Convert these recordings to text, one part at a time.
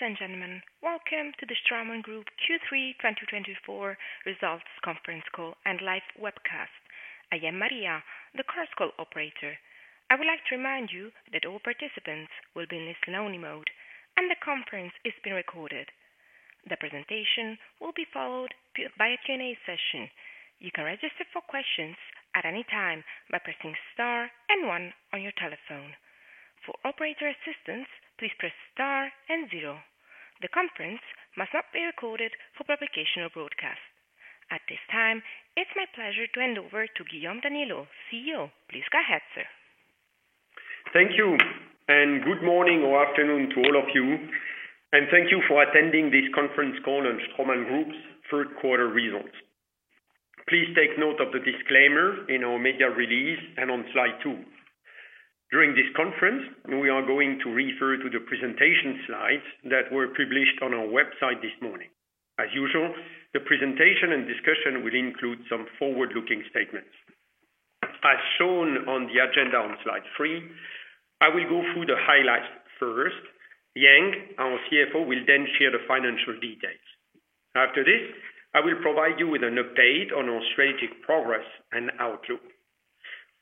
Ladies and gentlemen, welcome to the Straumann Group Q3 2024 results conference call and live webcast. I am Maria, the conference call operator. I would like to remind you that all participants will be in listen-only mode, and the conference is being recorded. The presentation will be followed by a Q&A session. You can register for questions at any time by pressing Star and One on your telephone. For operator assistance, please press Star and Zero. The conference must not be recorded for publication or broadcast. At this time, it's my pleasure to hand over to Guillaume Daniellot, CEO. Please go ahead, sir. Thank you, and good morning or afternoon to all of you, and thank you for attending this conference call on Straumann Group's third quarter results. Please take note of the disclaimer in our media release and on slide two. During this conference, we are going to refer to the presentation slides that were published on our website this morning. As usual, the presentation and discussion will include some forward-looking statements. As shown on the agenda on slide three, I will go through the highlights first. Yang, our CFO, will then share the financial details. After this, I will provide you with an update on our strategic progress and outlook.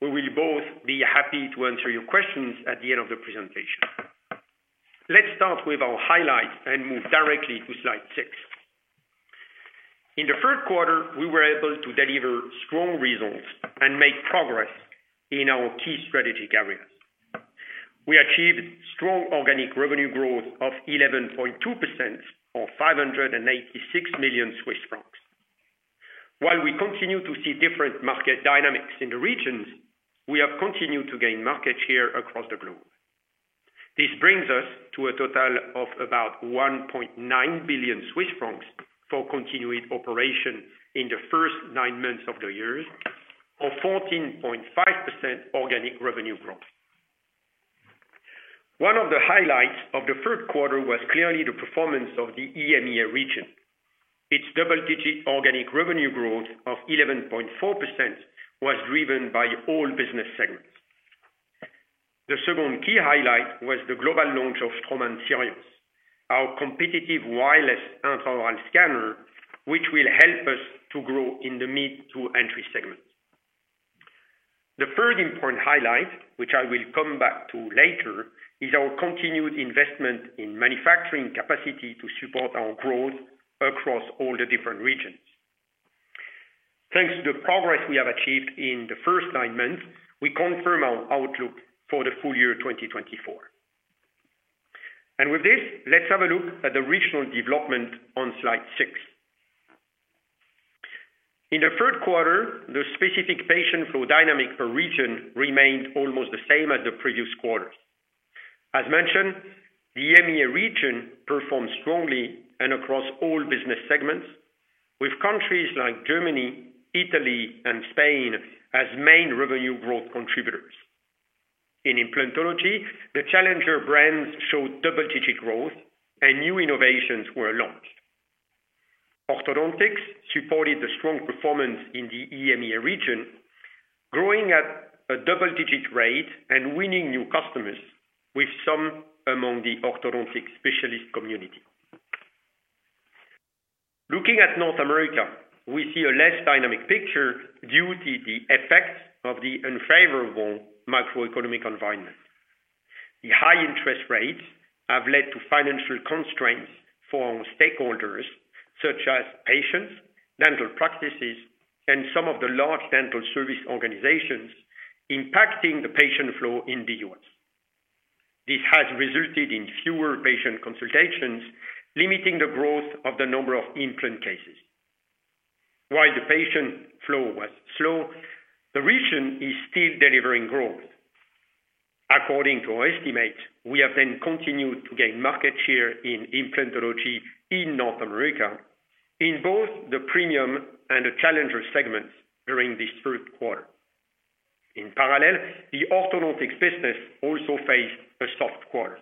We will both be happy to answer your questions at the end of the presentation. Let's start with our highlights and move directly to slide six. In the third quarter, we were able to deliver strong results and make progress in our key strategic areas. We achieved strong organic revenue growth of 11.2% or 586 million Swiss francs. While we continue to see different market dynamics in the regions, we have continued to gain market share across the globe. This brings us to a total of about 1.9 billion Swiss francs for continued operation in the first nine months of the year, or 14.5% organic revenue growth. One of the highlights of the third quarter was clearly the performance of the EMEA region. Its double-digit organic revenue growth of 11.4% was driven by all business segments. The second key highlight was the global launch of Straumann Sirius, our competitive wireless intraoral scanner, which will help us to grow in the mid to entry segments. The third important highlight, which I will come back to later, is our continued investment in manufacturing capacity to support our growth across all the different regions. Thanks to the progress we have achieved in the first nine months, we confirm our outlook for the full year 2024, and with this, let's have a look at the regional development on slide six. In the third quarter, the specific patient flow dynamic per region remained almost the same as the previous quarters. As mentioned, the EMEA region performed strongly and across all business segments, with countries like Germany, Italy, and Spain as main revenue growth contributors. In implantology, the challenger brands showed double-digit growth and new innovations were launched. Orthodontics supported the strong performance in the EMEA region, growing at a double-digit rate and winning new customers with some among the orthodontic specialist community. Looking at North America, we see a less dynamic picture due to the effects of the unfavorable macroeconomic environment. The high interest rates have led to financial constraints for stakeholders such as patients, dental practices, and some of the large dental service organizations impacting the patient flow in the U.S.. This has resulted in fewer patient consultations, limiting the growth of the number of implant cases. While the patient flow was slow, the region is still delivering growth. According to our estimates, we have then continued to gain market share in implantology in North America in both the premium and the challenger segments during this third quarter. In parallel, the orthodontics business also faced a soft quarter.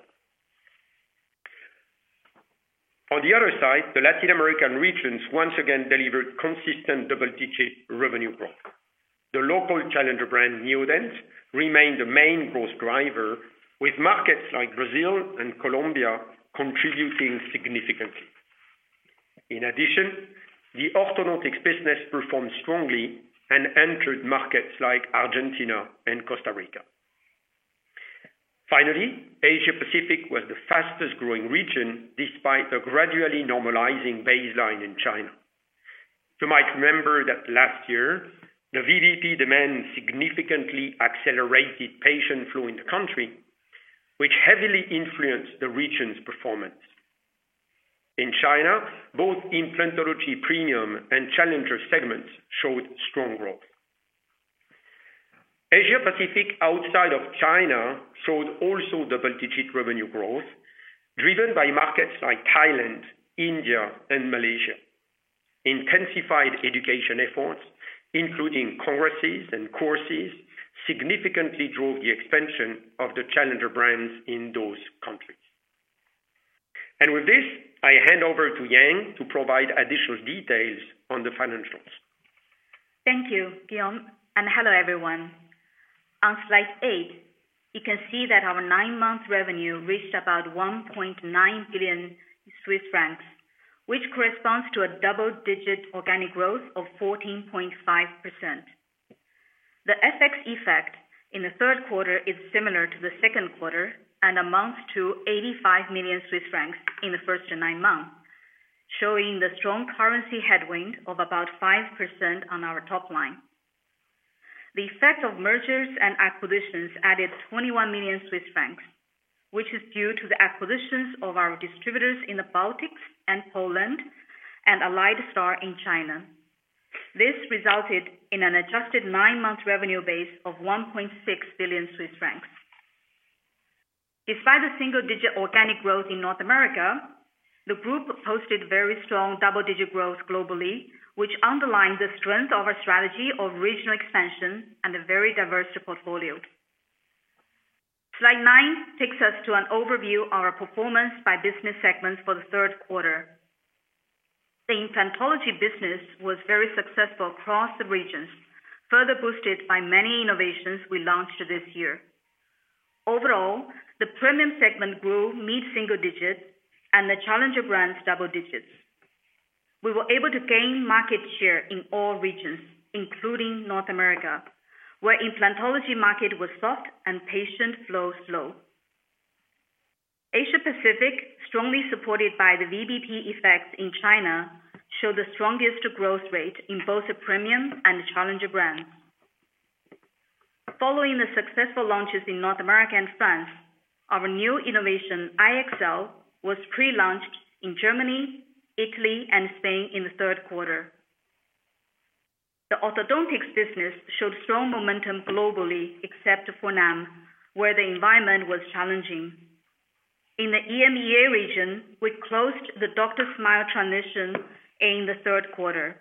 On the other side, the Latin American regions once again delivered consistent double-digit revenue growth. The local challenger brand, Neodent, remained the main growth driver, with markets like Brazil and Colombia contributing significantly. In addition, the orthodontic business performed strongly and entered markets like Argentina and Costa Rica. Finally, Asia Pacific was the fastest growing region, despite a gradually normalizing baseline in China. You might remember that last year, the VBP demand significantly accelerated patient flow in the country, which heavily influenced the region's performance. In China, both implantology premium and challenger segments showed strong growth. Asia Pacific outside of China showed also double-digit revenue growth, driven by markets like Thailand, India, and Malaysia. Intensified education efforts, including congresses and courses, significantly drove the expansion of the challenger brands in those countries. And with this, I hand over to Yang to provide additional details on the financials. Thank you, Guillaume, and hello, everyone. On slide eight, you can see that our nine-month revenue reached about 1.9 billion Swiss francs, which corresponds to a double-digit organic growth of 14.5%. The FX effect in the third quarter is similar to the second quarter and amounts to 85 million Swiss francs in the first nine months, showing the strong currency headwind of about 5% on our top line. The effect of mergers and acquisitions added 21 million Swiss francs, which is due to the acquisitions of our distributors in the Baltics and Poland and AlliedStar in China. This resulted in an adjusted nine-month revenue base of 1.6 billion Swiss francs. Despite the single-digit organic growth in North America, the group posted very strong double-digit growth globally, which underlines the strength of our strategy of regional expansion and a very diverse portfolio. Slide nine takes us to an overview of our performance by business segments for the third quarter. The Implantology business was very successful across the regions, further boosted by many innovations we launched this year. Overall, the premium segment grew mid-single-digit and the Challenger brands double-digit. We were able to gain market share in all regions, including North America, where the implantology market was soft and patient flow was slow. Asia Pacific, strongly supported by the VBP effects in China, showed the strongest growth rate in both the premium and Challenger brands. Following the successful launches in North America and France, our new innovation, iExcel, was pre-launched in Germany, Italy, and Spain in the third quarter. The orthodontics business showed strong momentum globally, except for NAM, where the environment was challenging. In the EMEA region, we closed the DrSmile transition in the third quarter.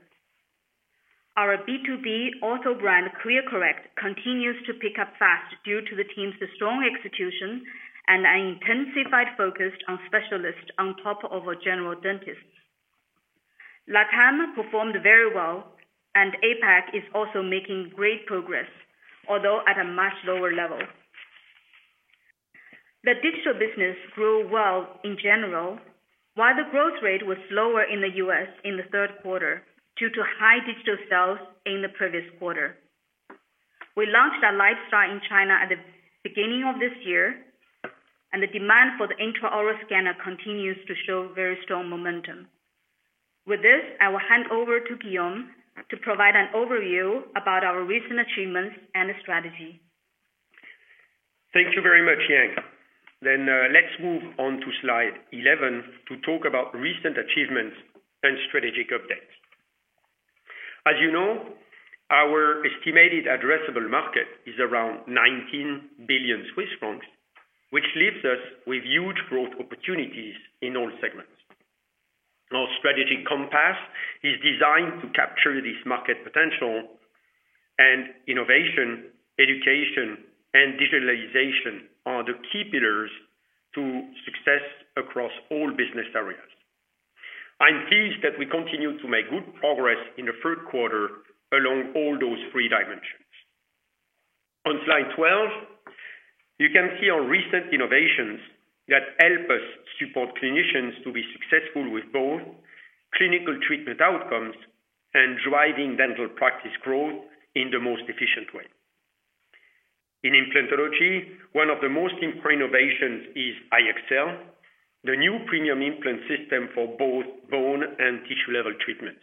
Our B2B ortho brand, ClearCorrect, continues to pick up fast due to the team's strong execution and an intensified focus on specialists on top of our general dentists. LATAM performed very well, and APAC is also making great progress, although at a much lower level. The digital business grew well in general, while the growth rate was slower in the US in the third quarter due to high digital sales in the previous quarter. We launched our Lightstar in China at the beginning of this year, and the demand for the intraoral scanner continues to show very strong momentum. With this, I will hand over to Guillaume to provide an overview about our recent achievements and strategy. Thank you very much, Yang. Then, let's move on to slide 11 to talk about recent achievements and strategic updates. As you know, our estimated addressable market is around 19 billion Swiss francs, which leaves us with huge growth opportunities in all segments. Our strategic compass is designed to capture this market potential, and innovation, education, and digitalization are the key pillars to success across all business areas. I'm pleased that we continue to make good progress in the third quarter along all those three dimensions. On slide 12, you can see our recent innovations that help us support clinicians to be successful with both clinical treatment outcomes and driving dental practice growth in the most efficient way. In implantology, one of the most important innovations is iExcel, the new premium implant system for both bone and tissue level treatments.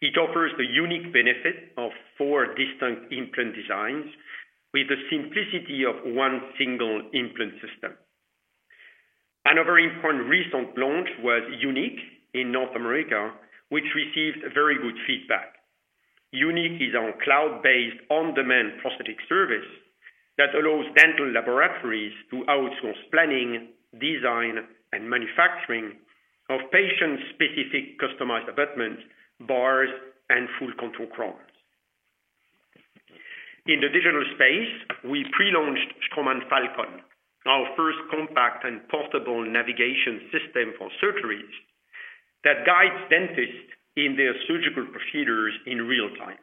It offers the unique benefit of four distinct implant designs with the simplicity of one single implant system. Another important recent launch was Unique in North America, which received very good feedback. Unique is our cloud-based, on-demand prosthetic service that allows dental laboratories to outsource planning, design, and manufacturing of patient-specific customized abutment, bars, and full contour crowns. In the digital space, we pre-launched Straumann Falcon, our first compact and portable navigation system for surgeries, that guides dentists in their surgical procedures in real time.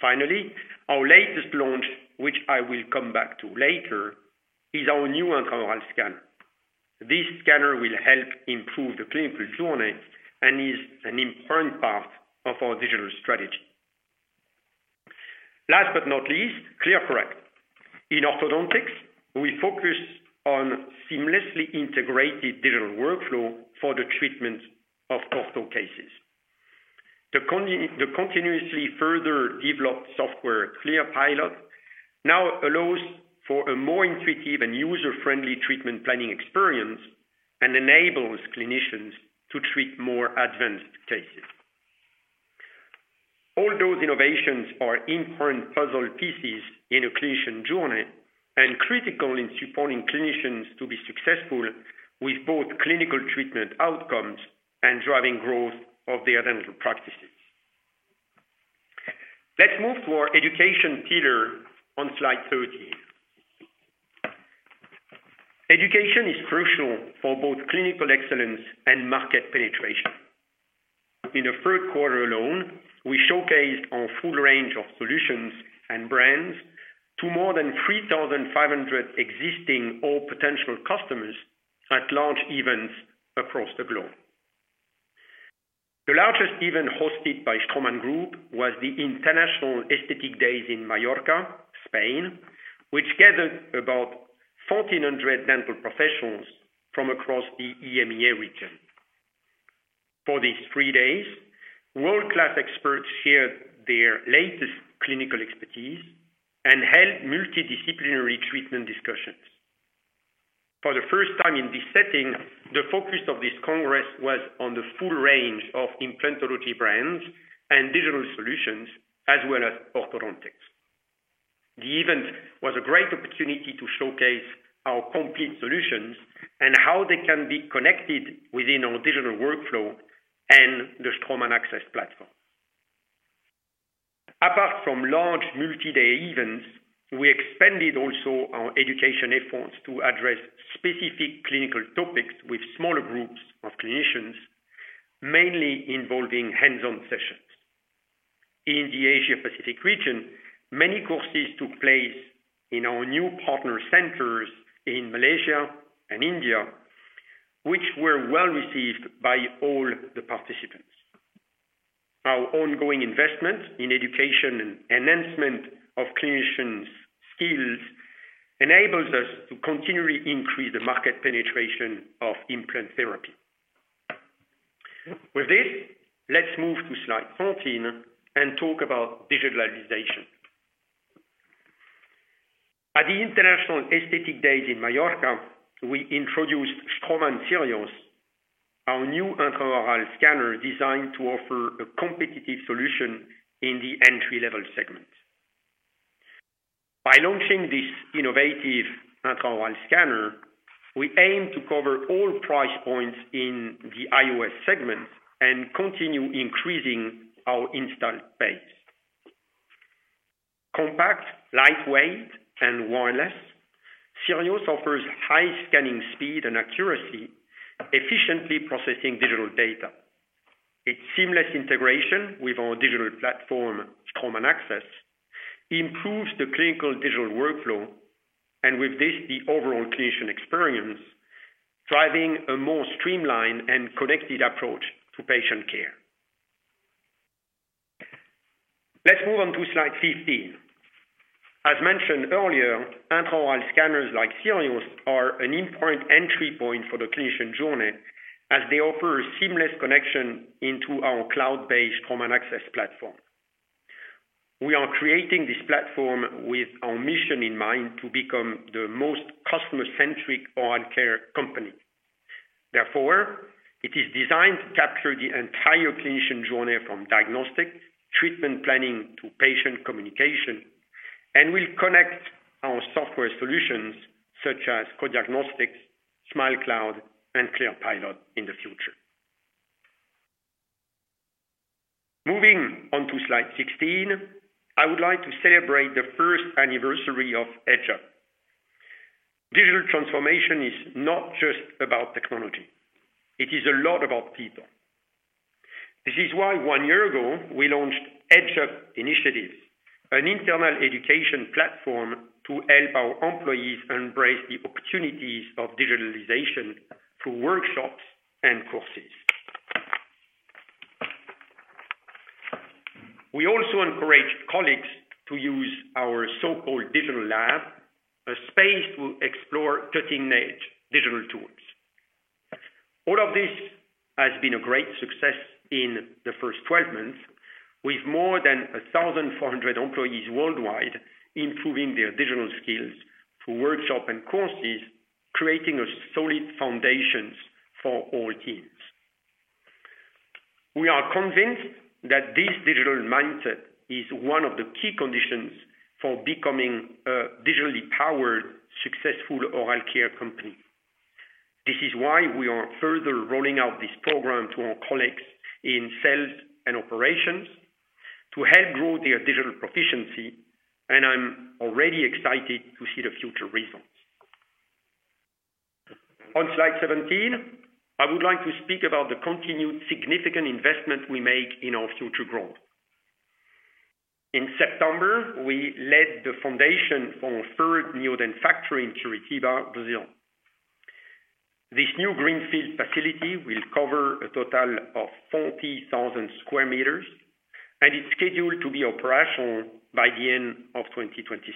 Finally, our latest launch, which I will come back to later, is our new intraoral scanner. This scanner will help improve the clinical journey and is an important part of our digital strategy. Last but not least, ClearCorrect. In orthodontics, we focus on seamlessly integrated digital workflow for the treatment of ortho cases. The continuously further developed software, ClearPilot, now allows for a more intuitive and user-friendly treatment planning experience and enables clinicians to treat more advanced cases. All those innovations are important puzzle pieces in a clinician journey, and critical in supporting clinicians to be successful with both clinical treatment outcomes and driving growth of their dental practices. Let's move to our education pillar on slide thirteen. Education is crucial for both clinical excellence and market penetration. In the third quarter alone, we showcased our full range of solutions and brands to more than 3,500 existing or potential customers at large events across the globe. The largest event hosted by Straumann Group was the International Esthetic Days in Mallorca, Spain, which gathered about 1,400 dental professionals from across the EMEA region. For these three days, world-class experts shared their latest clinical expertise and held multidisciplinary treatment discussions. For the first time in this setting, the focus of this congress was on the full range of implantology brands and digital solutions, as well as orthodontics. The event was a great opportunity to showcase our complete solutions and how they can be connected within our digital workflow and the Straumann AXS platform. Apart from large multi-day events, we expanded also our education efforts to address specific clinical topics with smaller groups of clinicians, mainly involving hands-on sessions. In the Asia Pacific region, many courses took place in our new partner centers in Malaysia and India, which were well received by all the participants. Our ongoing investment in education and enhancement of clinicians' skills enables us to continually increase the market penetration of implant therapy. With this, let's move to slide fourteen and talk about digitalization. At the International Esthetic Days in Mallorca, we introduced Straumann Sirius, our new intraoral scanner designed to offer a competitive solution in the entry-level segment. By launching this innovative intraoral scanner, we aim to cover all price points in the IOS segment and continue increasing our install base. Compact, lightweight, and wireless, SIRIUS offers high scanning speed and accuracy, efficiently processing digital data. Its seamless integration with our digital platform, Straumann AXS, improves the clinical digital workflow, and with this, the overall clinician experience, driving a more streamlined and connected approach to patient care. Let's move on to slide fifteen. As mentioned earlier, intraoral scanners like SIRIUS are an important entry point for the clinician journey, as they offer a seamless connection into our cloud-based Straumann AXS platform. We are creating this platform with our mission in mind to become the most customer-centric oral care company. Therefore, it is designed to capture the entire clinician journey from diagnostic, treatment planning, to patient communication, and will connect our software solutions such as coDiagnostiX, SmileCloud, and ClearPilot in the future. Moving on to slide 16, I would like to celebrate the first anniversary of EdgeUp. Digital transformation is not just about technology, it is a lot about people. This is why one year ago, we launched EdgeUp initiatives, an internal education platform to help our employees embrace the opportunities of digitalization through workshops and courses. We also encourage colleagues to use our so-called Digital Lab, a space to explore cutting-edge digital tools. All of this has been a great success in the first 12 months, with more than 1,400 employees worldwide improving their digital skills through workshops and courses, creating a solid foundation for all teams. We are convinced that this digital mindset is one of the key conditions for becoming a digitally powered, successful oral care company. This is why we are further rolling out this program to our colleagues in sales and operations to help grow their digital proficiency, and I'm already excited to see the future results. On slide 17, I would like to speak about the continued significant investment we make in our future growth. In September, we laid the foundation for our third Neodent factory in Curitiba, Brazil. This new greenfield facility will cover a total of 40,000 sq m, and is scheduled to be operational by the end of 2026.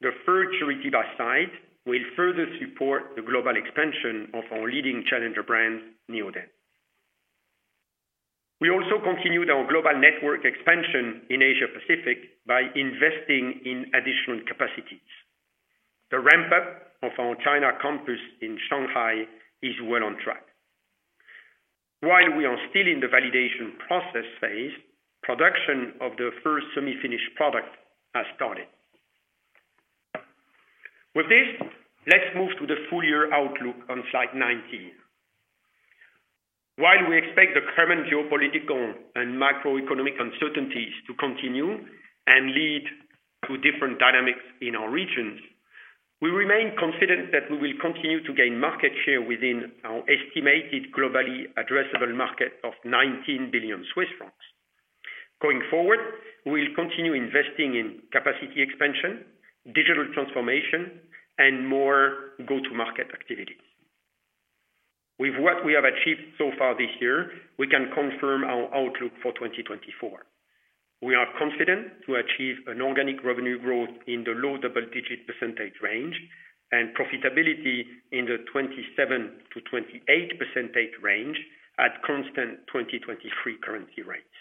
The third Curitiba site will further support the global expansion of our leading challenger brand, Neodent. We also continued our global network expansion in Asia Pacific by investing in additional capacities. The ramp-up of our China campus in Shanghai is well on track. While we are still in the validation process phase, production of the first semi-finished product has started. With this, let's move to the full year outlook on slide 19. While we expect the current geopolitical and macroeconomic uncertainties to continue and lead to different dynamics in our regions, we remain confident that we will continue to gain market share within our estimated globally addressable market of 19 billion Swiss francs. Going forward, we'll continue investing in capacity expansion, digital transformation, and more go-to-market activities. With what we have achieved so far this year, we can confirm our outlook for 2024. We are confident to achieve an organic revenue growth in the low double-digit % range, and profitability in the 27%-28% range at constant 2023 currency rates.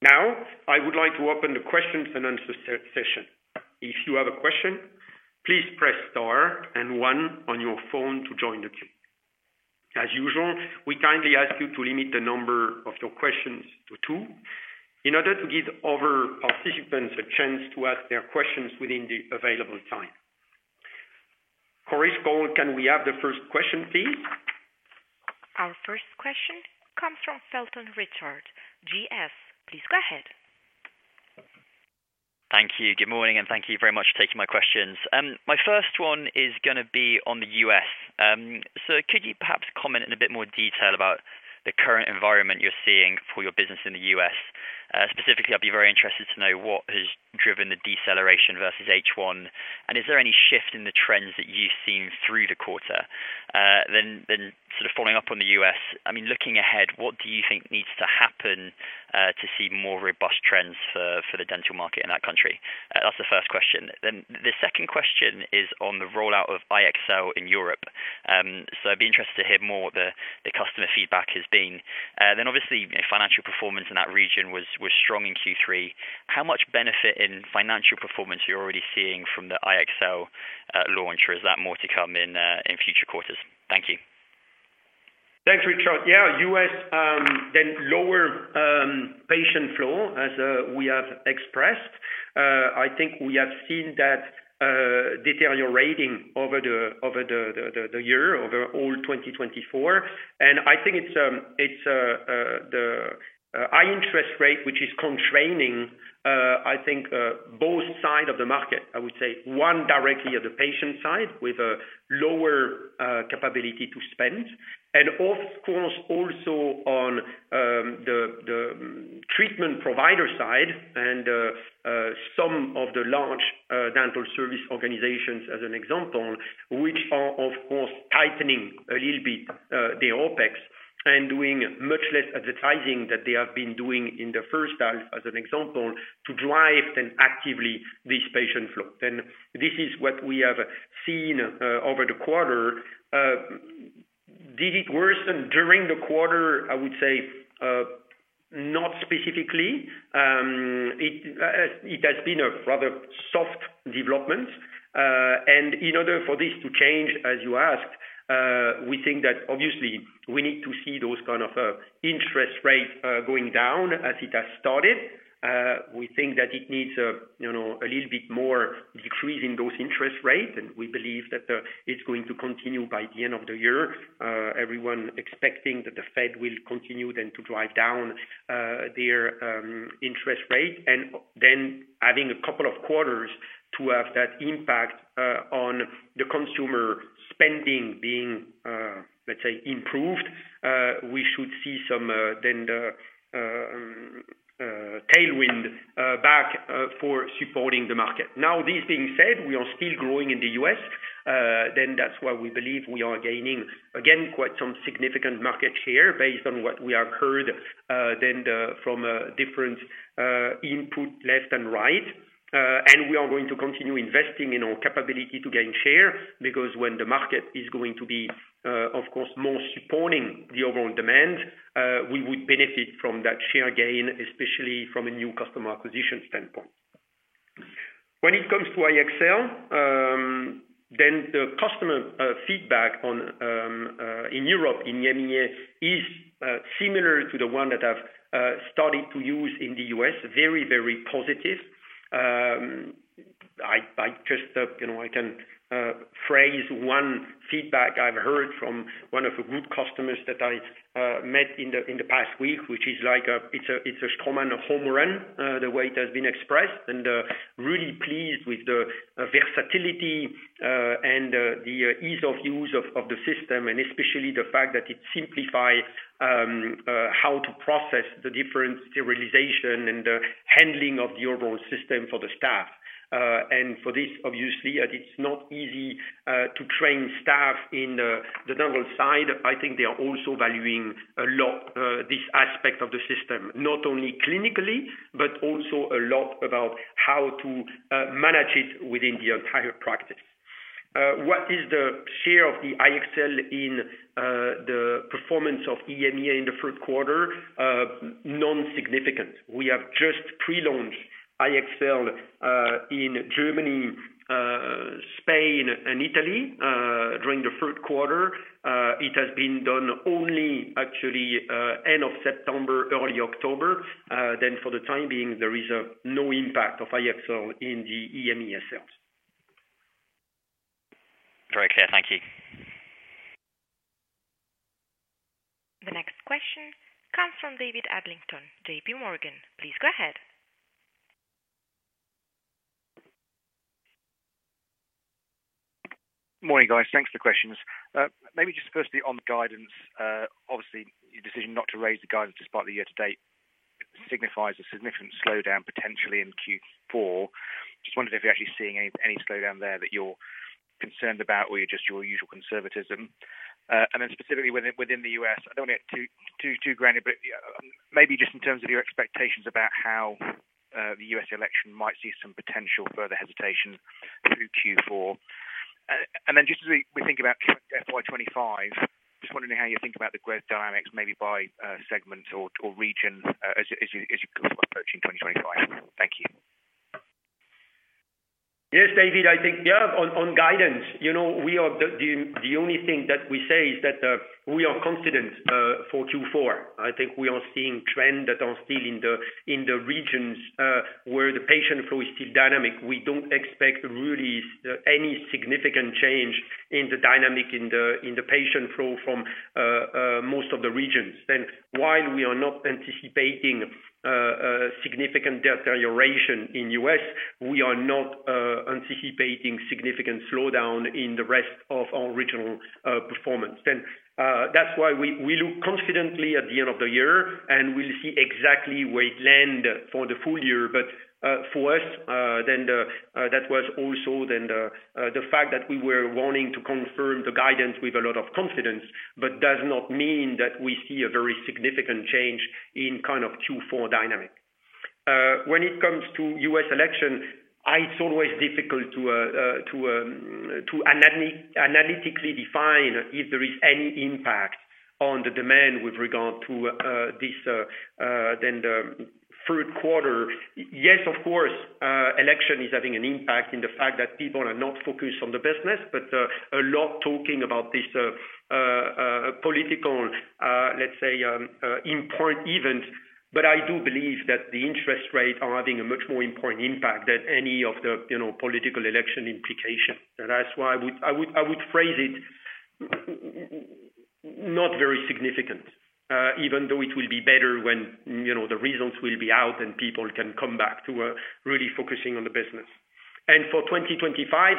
Now, I would like to open the questions and answers session. If you have a question, please press star and one on your phone to join the queue. As usual, we kindly ask you to limit the number of your questions to two, in order to give other participants a chance to ask their questions within the available time. Chorus Call, can we have the first question, please? Our first question comes from Richard Felton, GS. Please go ahead. Thank you. Good morning, and thank you very much for taking my questions. My first one is gonna be on the U.S. So could you perhaps comment in a bit more detail about the current environment you're seeing for your business in the U.S.? Specifically, I'd be very interested to know what has driven the deceleration versus H1, and is there any shift in the trends that you've seen through the quarter? Then sort of following up on the U.S., I mean, looking ahead, what do you think needs to happen to see more robust trends for the dental market in that country? That's the first question. Then the second question is on the rollout of iExcel in Europe. So I'd be interested to hear more what the customer feedback has been. Then obviously, you know, financial performance in that region was strong in Q3. How much benefit in financial performance are you already seeing from the iExcel launch, or is that more to come in future quarters? Thank you. Thanks, Richard. Yeah, U.S., then lower patient flow as we have expressed. I think we have seen that deteriorating over the year, overall 2024, and I think it's the high interest rate, which is constraining both sides of the market. I would say one, directly at the patient side with a lower capability to spend, and of course also on the treatment provider side and some of the large dental service organizations as an example, which are, of course, tightening a little bit the OpEx and doing much less advertising than they have been doing in the first half, as an example, to drive then actively this patient flow. Then this is what we have seen over the quarter. Did it worsen during the quarter? I would say not specifically. It has been a rather soft development, and in order for this to change, as you asked, we think that obviously we need to see those kind of interest rates going down as it has started. We think that it needs a, you know, a little bit more decrease in those interest rates, and we believe that it's going to continue by the end of the year. Everyone expecting that the Fed will continue then to drive down their interest rate, and then adding a couple of quarters to have that impact on the consumer spending being, let's say, improved. We should see some then the tailwind back for supporting the market. Now, this being said, we are still growing in the U.S.. That's why we believe we are gaining, again, quite some significant market share based on what we have heard from different input left and right. And we are going to continue investing in our capability to gain share, because when the market is going to be, of course, more supporting the overall demand, we would benefit from that share gain, especially from a new customer acquisition standpoint. When it comes to iExcel, the customer feedback on in Europe, in EMEA, is similar to the one that I've started to use in the U.S., very, very positive. I just, you know, I can phrase one feedback I've heard from one of the good customers that I met in the past week, which is like it's a Straumann home run, the way it has been expressed, and really pleased with the versatility and the ease of use of the system, and especially the fact that it simplifies how to process the different sterilization and the handling of the overall system for the staff. And for this, obviously, as it's not easy to train staff in the dental side, I think they are also valuing a lot this aspect of the system, not only clinically, but also a lot about how to manage it within the entire practice. What is the share of the iExcel in the performance of EMEA in the third quarter? Non-significant. We have just pre-launched iExcel in Germany, Spain and Italy during the third quarter. It has been done only actually end of September, early October. Then for the time being, there is no impact of iExcel in the EMEA sales. Very clear. Thank you. The next question comes from David Adlington, JP Morgan, please go ahead. Morning, guys. Thanks for the questions. Maybe just firstly on the guidance, obviously, your decision not to raise the guidance despite the year to date signifies a significant slowdown potentially in Q4. Just wondered if you're actually seeing any slowdown there that you're concerned about or just your usual conservatism. And then specifically within the U.S., I don't want to get too granular, but maybe just in terms of your expectations about how the U.S. election might see some potential further hesitation through Q4. And then just as we think about FY twenty-five, just wondering how you think about the growth dynamics, maybe by segments or regions, as you approaching twenty twenty-five. Thank you. Yes, David, I think, yeah, on guidance, you know, we are the only thing that we say is that we are confident for Q4. I think we are seeing trends that are still in the regions where the patient flow is still dynamic. We don't expect really any significant change in the dynamic in the patient flow from most of the regions. Then, while we are not anticipating significant deterioration in U.S., we are not anticipating significant slowdown in the rest of our regional performance. And that's why we look confidently at the end of the year, and we'll see exactly where it land for the full year. But for us, that was also the fact that we were wanting to confirm the guidance with a lot of confidence, but does not mean that we see a very significant change in kind of Q4 dynamic. When it comes to U.S. election, it's always difficult to analytically define if there is any impact on the demand with regard to the third quarter. Yes, of course, election is having an impact in the fact that people are not focused on the business, but a lot talking about this political, let's say, important event. But I do believe that the interest rates are having a much more important impact than any of the, you know, political election implication. And that's why I would phrase it not very significant, even though it will be better when, you know, the results will be out, and people can come back to really focusing on the business. For twenty twenty-five,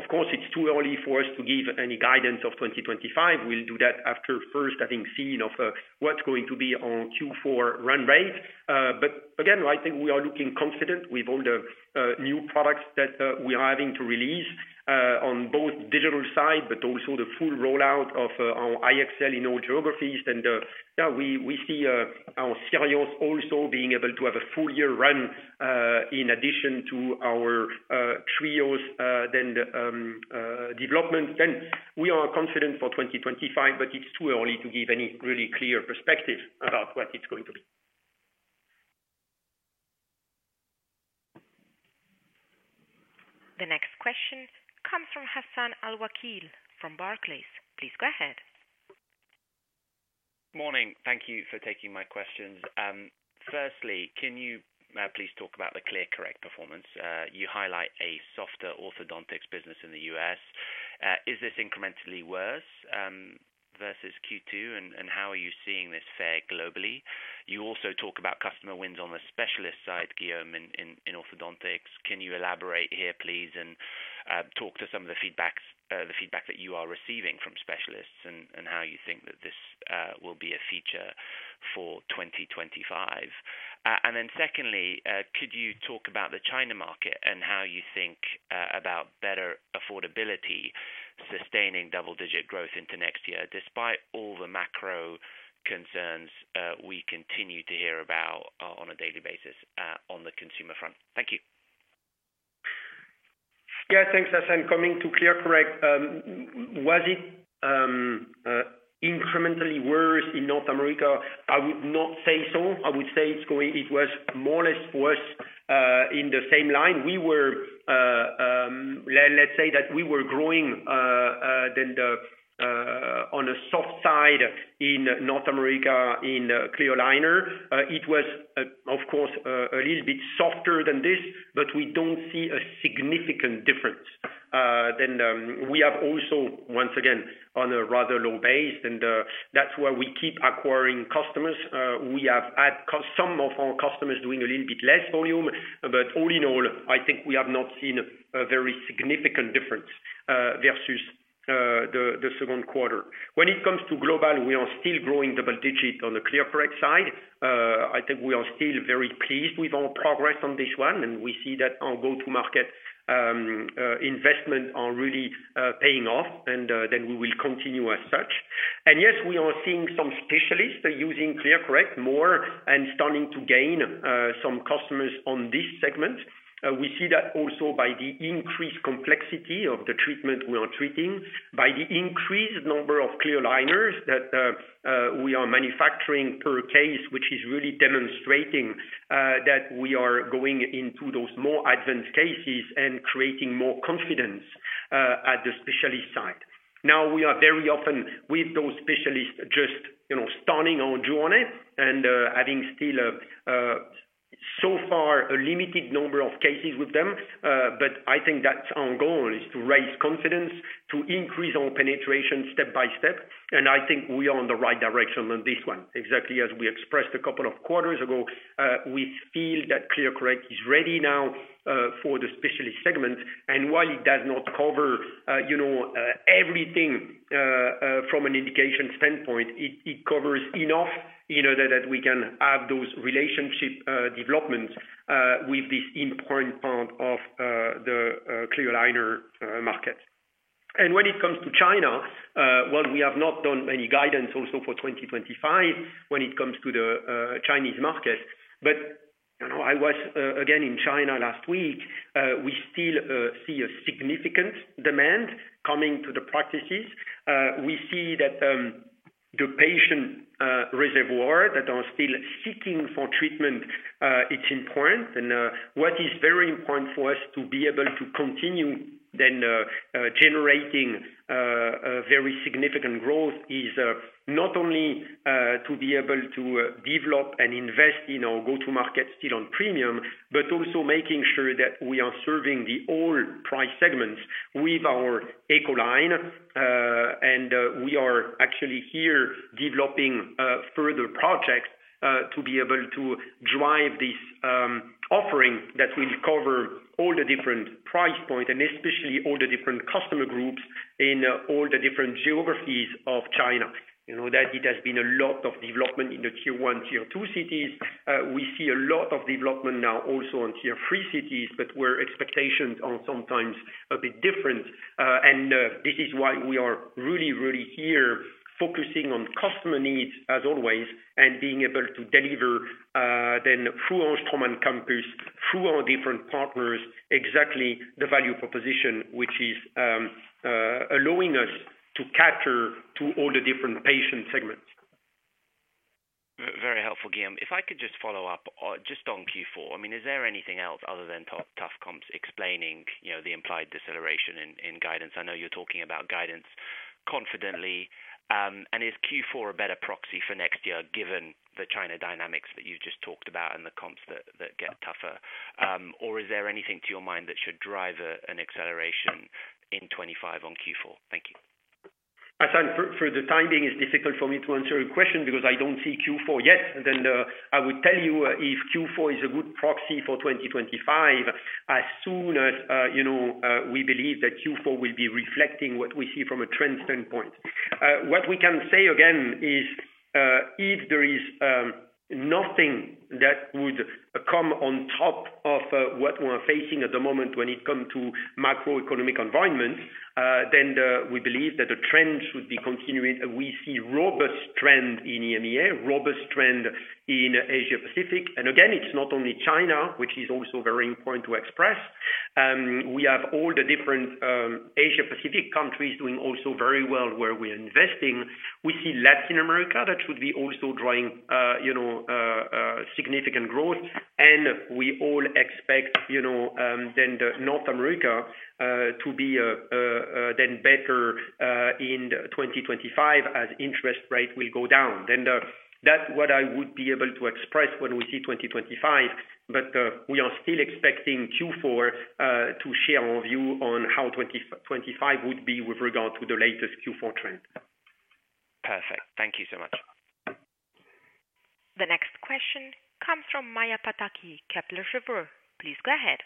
of course, it's too early for us to give any guidance of twenty twenty-five. We'll do that after first having seen of what's going to be on Q4 run rate. But again, I think we are looking confident with all the new products that we are having to release on both digital side, but also the full rollout of our iExcel in all geographies. And yeah, we see our SIRIUS also being able to have a full year run in addition to our TRIOS, then the development. Then we are confident for 2025, but it's too early to give any really clear perspective about what it's going to be. The next question comes from Hassan Al-Wakeel, from Barclays. Please go ahead. Morning. Thank you for taking my questions. Firstly, can you please talk about the ClearCorrect performance? You highlight a softer orthodontics business in the U.S.. Is this incrementally worse versus Q2, and how are you seeing this fare globally? You also talk about customer wins on the specialist side, Guillaume, in orthodontics. Can you elaborate here, please, and talk to some of the feedbacks, the feedback that you are receiving from specialists and how you think that this will be a feature for twenty twenty-five? And then secondly, could you talk about the China market and how you think about better affordability sustaining double digit growth into next year, despite all the macro concerns we continue to hear about on a daily basis on the consumer front? Thank you. Yeah, thanks, Hassan. Coming to ClearCorrect, was it incrementally worse in North America? I would not say so. I would say it was more or less worse in the same line. Let's say that we were growing rather than on the soft side in North America in clear aligner. It was, of course, a little bit softer than this, but we don't see a significant difference. Then we have also, once again, on a rather low base, and that's why we keep acquiring customers. We have had some of our customers doing a little bit less volume, but all in all, I think we have not seen a very significant difference versus the second quarter. When it comes to global, we are still growing double digits on the ClearCorrect side. I think we are still very pleased with our progress on this one, and we see that our go-to-market investment are really paying off, and then we will continue as such. Yes, we are seeing some specialists using ClearCorrect more and starting to gain some customers on this segment. We see that also by the increased complexity of the treatment we are treating, by the increased number of clear aligners that we are manufacturing per case, which is really demonstrating that we are going into those more advanced cases and creating more confidence at the specialist side. Now, we are very often with those specialists just, you know, starting our journey and having still some So far, a limited number of cases with them, but I think that's our goal, is to raise confidence, to increase our penetration step by step, and I think we are on the right direction on this one. Exactly as we expressed a couple of quarters ago, we feel that ClearCorrect is ready now, for the specialist segment, and while it does not cover, you know, everything, from an indication standpoint, it covers enough, you know, that we can have those relationship developments, with this important part of the clear aligner market. When it comes to China, well, we have not done any guidance also for 2025 when it comes to the Chinese market, but you know, I was again in China last week. We still see a significant demand coming to the practices. We see that the patient reservoir that are still seeking for treatment. It's important. What is very important for us to be able to continue then generating a very significant growth is not only to be able to develop and invest in our go-to market still on premium, but also making sure that we are serving the all price segments with our eco line. And we are actually here developing further projects to be able to drive this offering that will cover all the different price points, and especially all the different customer groups in all the different geographies of China. You know that it has been a lot of development in the tier one, tier two cities. We see a lot of development now also on tier three cities, but where expectations are sometimes a bit different. And this is why we are really, really here focusing on customer needs as always, and being able to deliver then through our Shanghai campus, through our different partners, exactly the value proposition, which is allowing us to cater to all the different patient segments. Very helpful, Guillaume. If I could just follow up just on Q4. I mean, is there anything else other than tough comps explaining the implied deceleration in guidance? I know you're talking about guidance confidently. And is Q4 a better proxy for next year, given the China dynamics that you just talked about and the comps that get tougher? Or is there anything, to your mind, that should drive an acceleration in twenty-five on Q4? Thank you. Hassan, for the timing, it's difficult for me to answer your question because I don't see Q4 yet. Then I would tell you if Q4 is a good proxy for twenty twenty-five as soon as you know we believe that Q4 will be reflecting what we see from a trend standpoint. What we can say again is if there is nothing that would come on top of what we're facing at the moment when it come to macroeconomic environment, then we believe that the trend should be continuing. We see robust trend in EMEA, robust trend in Asia Pacific, and again, it's not only China, which is also very important to express. We have all the different Asia Pacific countries doing also very well, where we're investing. We see Latin America, that should be also growing, you know, significant growth, and we all expect, you know, then the North America, to be, then better, in twenty twenty-five as interest rate will go down. Then, that's what I would be able to express when we see twenty twenty-five, but, we are still expecting Q4, to share our view on how twenty twenty-five would be with regard to the latest Q4 trend. Perfect. Thank you so much. The next question comes from Maja Pataki, Kepler Cheuvreux. Please go ahead.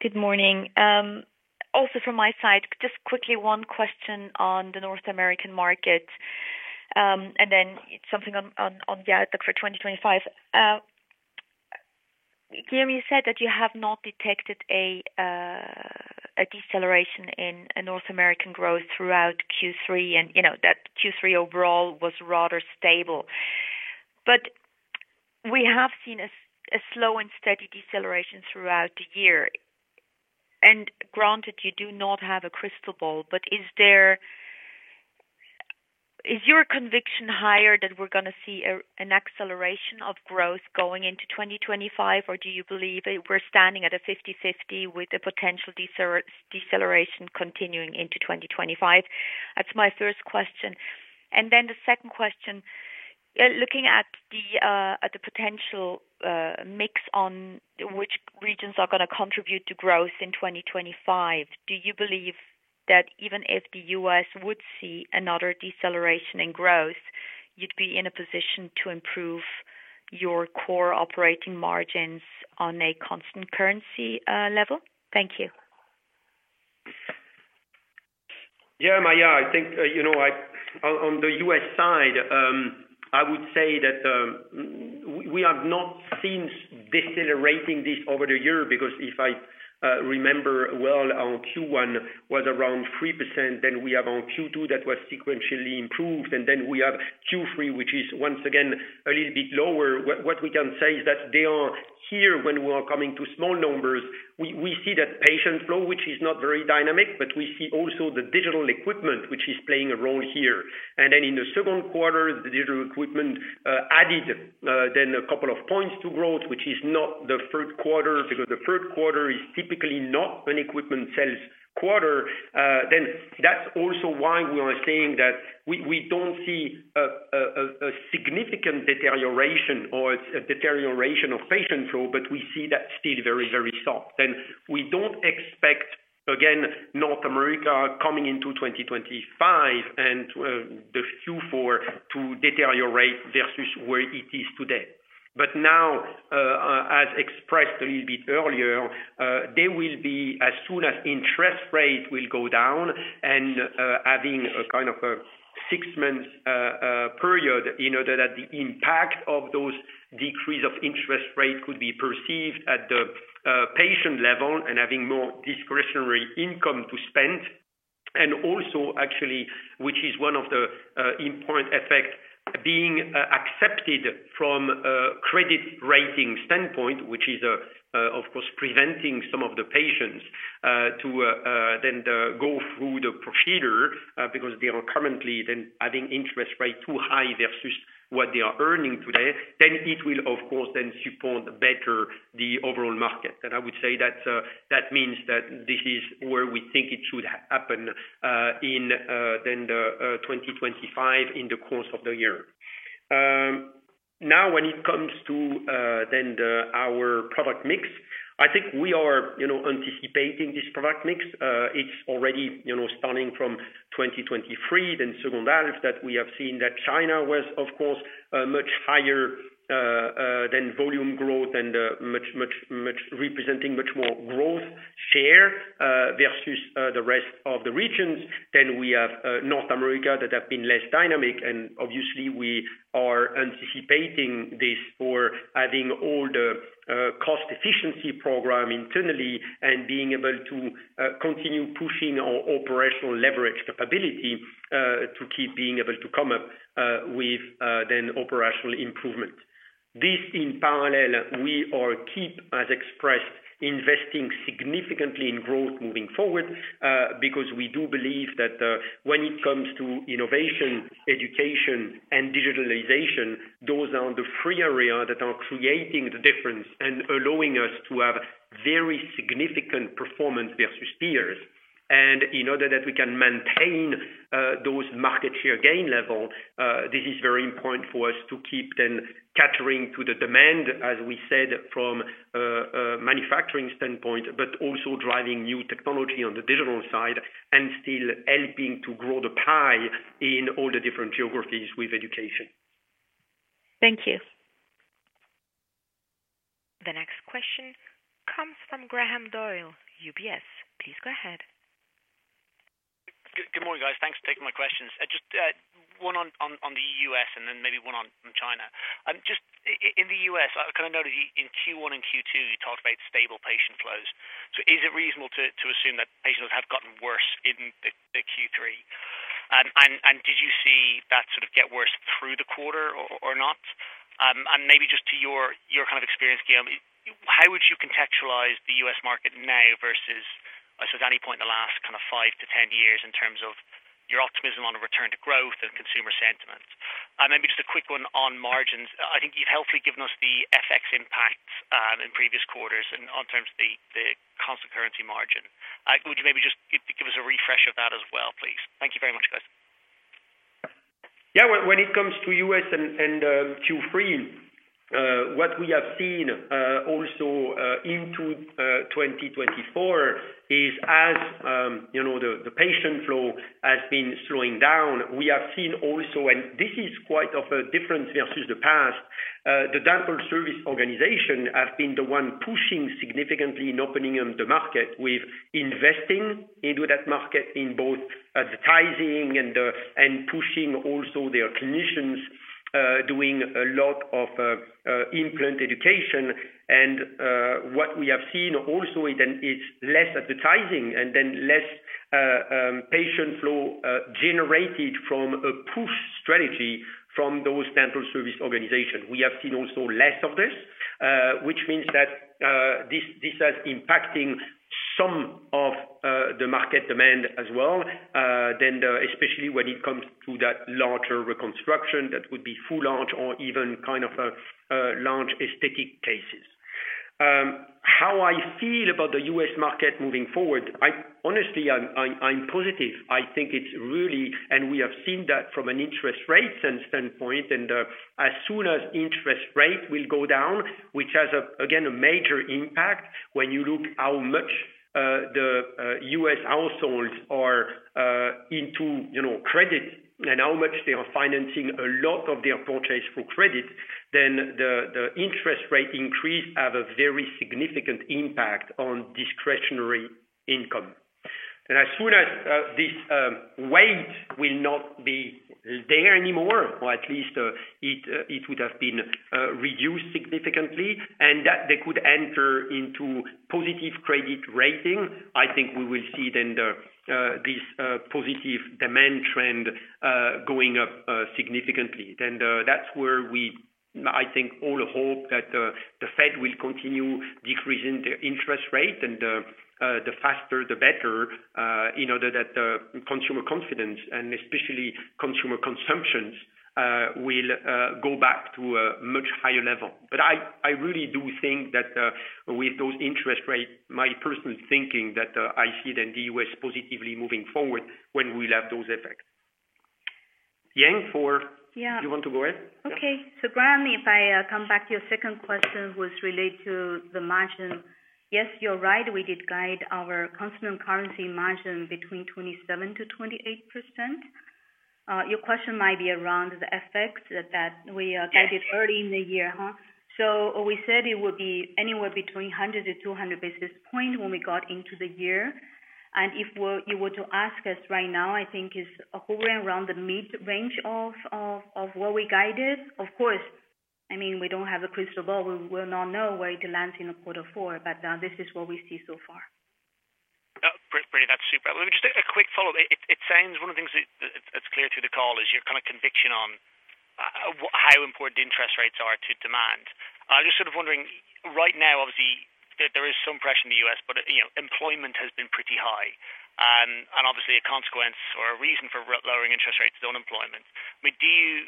Good morning. Also from my side, just quickly, one question on the North American market, and then something on the outlook for twenty twenty-five. Guillaume, you said that you have not detected a deceleration in North American growth throughout Q3, and, you know, that Q3 overall was rather stable. But we have seen a slow and steady deceleration throughout the year. Granted, you do not have a crystal ball, but is your conviction higher that we're gonna see an acceleration of growth going into twenty twenty-five, or do you believe that we're standing at a fifty-fifty with a potential deceleration continuing into twenty twenty-five? That's my first question. And then the second question, looking at the potential mix on which regions are gonna contribute to growth in 2025, do you believe that even if the U.S. would see another deceleration in growth, you'd be in a position to improve your core operating margins on a constant currency level? Thank you. Yeah, Maja, I think, you know, I on the U.S. side, I would say that we have not seen decelerating this over the year, because if I remember well, our Q1 was around 3%, then we have our Q2, that was sequentially improved, and then we have Q3, which is once again a little bit lower. What we can say is that they are here when we are coming to small numbers. We see that patient flow, which is not very dynamic, but we see also the digital equipment, which is playing a role here. And then in the second quarter, the digital equipment added then a couple of points to growth, which is not the first quarter, because the first quarter is typically not an equipment sales quarter. Then that's also why we are saying that we don't see a significant deterioration or a deterioration of patient flow, but we see that still very, very soft. We don't expect, again, North America coming into 2025 and the Q4 to deteriorate versus where it is today. But now, as expressed a little bit earlier, there will be as soon as interest rates will go down and having a kind of a six months period in order that the impact of those decrease of interest rates could be perceived at the patient level and having more discretionary income to spend. And also actually, which is one of the important effect being accepted from a credit rating standpoint, which is, of course, preventing some of the patients to then go through the procedure because they are currently then having interest rates too high versus what they are earning today, then it will of course then support better the overall market. And I would say that that means that this is where we think it should happen in then the 2025 in the course of the year. Now when it comes to our product mix, I think we are, you know, anticipating this product mix. It's already, you know, starting from 2023, the second half that we have seen that China was, of course, much higher than volume growth and much representing much more growth share versus the rest of the regions. Then we have North America that have been less dynamic, and obviously we are anticipating this for adding all the cost efficiency program internally and being able to continue pushing our operational leverage capability to keep being able to come up with the operational improvement. This in parallel, we all keep as expressed, investing significantly in growth moving forward because we do believe that when it comes to innovation, education, and digitalization, those are the three areas that are creating the difference and allowing us to have very significant performance versus peers. And in order that we can maintain those market share gain level. This is very important for us to keep them catering to the demand, as we said, from manufacturing standpoint, but also driving new technology on the digital side and still helping to grow the pie in all the different geographies with education. Thank you. The next question comes from Graham Doyle, UBS. Please go ahead. Good morning, guys. Thanks for taking my questions. Just one on the U.S. and then maybe one on China. Just in the U.S., I kind of noticed in Q1 and Q2, you talked about stable patient flows. So is it reasonable to assume that patients have gotten worse in the Q3? And did you see that sort of get worse through the quarter or not? And maybe just to your kind of experience, Guillaume, how would you contextualize the U.S. market now versus, I say any point in the last kind of five to ten years in terms of your optimism on a return to growth and consumer sentiment? And maybe just a quick one on margins. I think you've helpfully given us the FX impact in previous quarters and on terms of the constant currency margin. Would you maybe just give us a refresh of that as well, please? Thank you very much, guys. Yeah. When it comes to U.S. and Q3, what we have seen also into twenty twenty-four is, as you know, the patient flow has been slowing down. We have seen also, and this is quite a difference versus the past, the dental service organization has been the one pushing significantly in opening up the market, with investing into that market in both advertising and pushing also their clinicians, doing a lot of implant education. And what we have seen also is then it's less advertising and then less patient flow generated from a push strategy from those dental service organizations. We have seen also less of this, which means that, this has impacting some of the market demand as well, than the-- especially when it comes to that larger reconstruction that would be full arch or even kind of large aesthetic cases. How I feel about the U.S. market moving forward, I honestly, I'm positive. I think it's really, and we have seen that from an interest rate sense standpoint, and, as soon as interest rates will go down, which has a, again, a major impact when you look how much the U.S. households are into, you know, credit and how much they are financing a lot of their purchase for credit, then the interest rate increase have a very significant impact on discretionary income. And as soon as this weight will not be there anymore, or at least it would have been reduced significantly and that they could enter into positive credit rating, I think we will see then this positive demand trend going up significantly. Then, that's where I think all hope that the Fed will continue decreasing the interest rate and the faster, the better, in order that consumer confidence and especially consumer consumptions will go back to a much higher level. But I really do think that with those interest rates, my personal thinking, that I see then the U.S. positively moving forward when we'll have those effects. Yang for Yeah. Do you want to go ahead? Okay. So Graham, if I come back to your second question was related to the margin. Yes, you're right. We did guide our constant currency margin between 27% to 28%. Your question might be around the effect that we guided- Yes Early in the year, huh? So we said it would be anywhere between 100 to 200 basis points when we got into the year. And if you were to ask us right now, I think it's probably around the mid-range of where we guided. Of course, I mean, we don't have a crystal ball. We will not know where it lands in quarter four, but this is what we see so far. Pretty, that's super. Let me just a quick follow-up. It sounds one of the things that that's clear through the call is your kind of conviction on what how important interest rates are to demand. I'm just sort of wondering, right now, obviously, there is some pressure in the U.S. but, you know, employment has been pretty high. And obviously a consequence or a reason for re-lowering interest rates is unemployment. I mean, do you,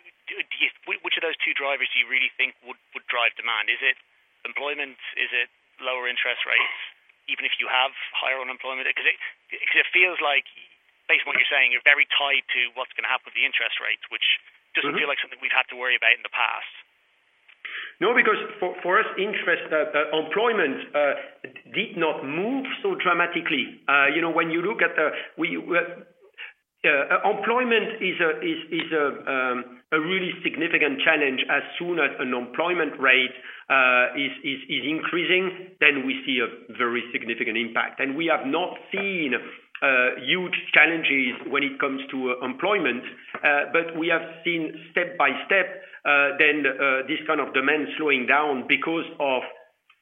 which of those two drivers do you really think would drive demand? Is it employment? Is it lower interest rates, even if you have higher unemployment? 'Cause it feels like based on what you're saying, you're very tied to what's gonna happen with the interest rates, which Mm-hmm doesn't feel like something we've had to worry about in the past. No, because for us, interest, employment did not move so dramatically. You know, when you look at the employment is a really significant challenge. As soon as an employment rate is increasing, then we see a very significant impact. We have not seen huge challenges when it comes to employment, but we have seen step by step, then, this kind of demand slowing down because of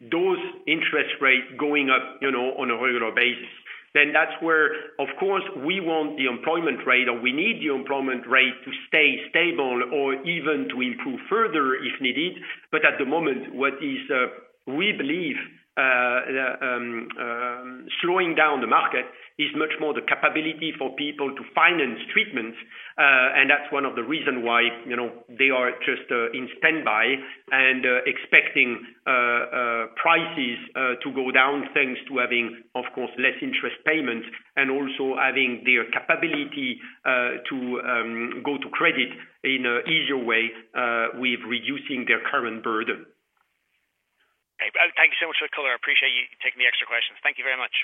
those interest rates going up, you know, on a regular basis. Then that's where, of course, we want the employment rate, or we need the employment rate to stay stable or even to improve further, if needed. At the moment, what is, we believe, slowing down the market, is much more the capability for people to finance treatments. and that's one of the reasons why, you know, they are just in standby and expecting prices to go down, thanks to having, of course, less interest payments and also having the capability to go to credit in a easier way with reducing their current burden. Okay. Thank you so much for the color. I appreciate you taking the extra questions. Thank you very much.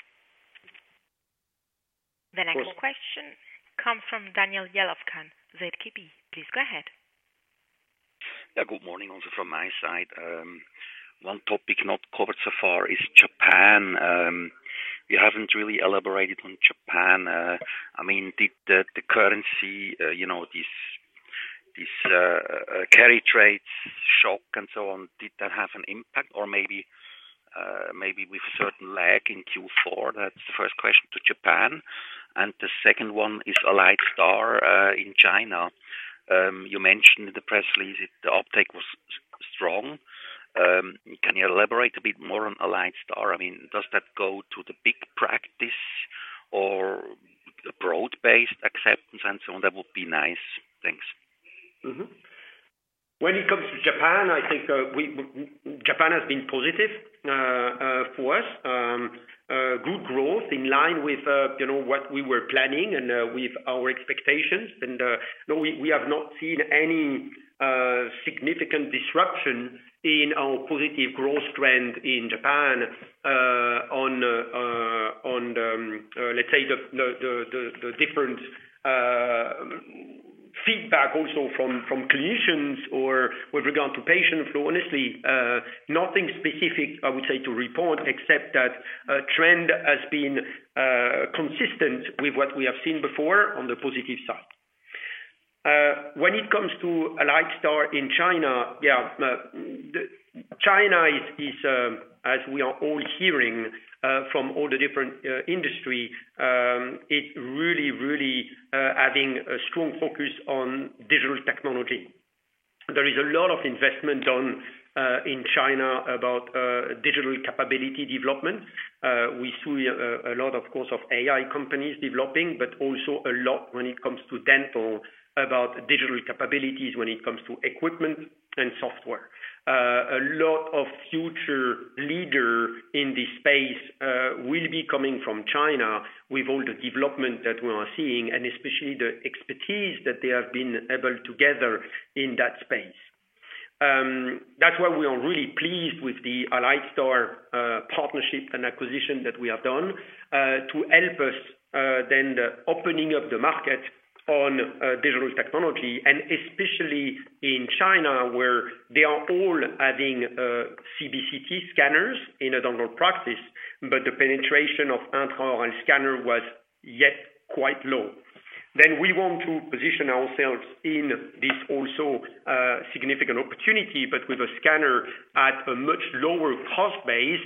The next question of course comes from Daniel Jelovcan, ZKB, please go ahead. Yeah, good morning, also from my side. One topic not covered so far is Japan. You haven't really elaborated on Japan. I mean, did the currency, you know, this carry trades shock and so on, did that have an impact? Or maybe with certain lag in Q4? That's the first question to Japan. And the second one is Align Star in China. You mentioned in the press release that the uptake was strong. Can you elaborate a bit more on Align Star? I mean, does that go to the big practice or broad-based acceptance and so on? That would be nice. Thanks. Mm-hmm. When it comes to Japan, I think, we, Japan has been positive, for us. Good growth in line with, you know, what we were planning and, with our expectations. No, we have not seen any significant disruption in our positive growth trend in Japan, on the, let's say the different feedback also from clinicians or with regard to patient flow. Honestly, nothing specific, I would say to report, except that trend has been consistent with what we have seen before on the positive side. When it comes to Align Star in China, yeah, the-- China is, as we are all hearing, from all the different industry, it really, really adding a strong focus on digital technology. There is a lot of investment in China about digital capability development. We see a lot, of course, of AI companies developing, but also a lot when it comes to dental, about digital capabilities, when it comes to equipment and software. A lot of future leader in this space will be coming from China with all the development that we are seeing, and especially the expertise that they have been able to gather in that space. That's why we are really pleased with the Align Star partnership and acquisition that we have done to help us then the opening of the market on digital technology, and especially in China, where they are all adding CBCT scanners in a dental practice, but the penetration of intraoral scanner was yet quite low. Then we want to position ourselves in this also significant opportunity, but with a scanner at a much lower cost base,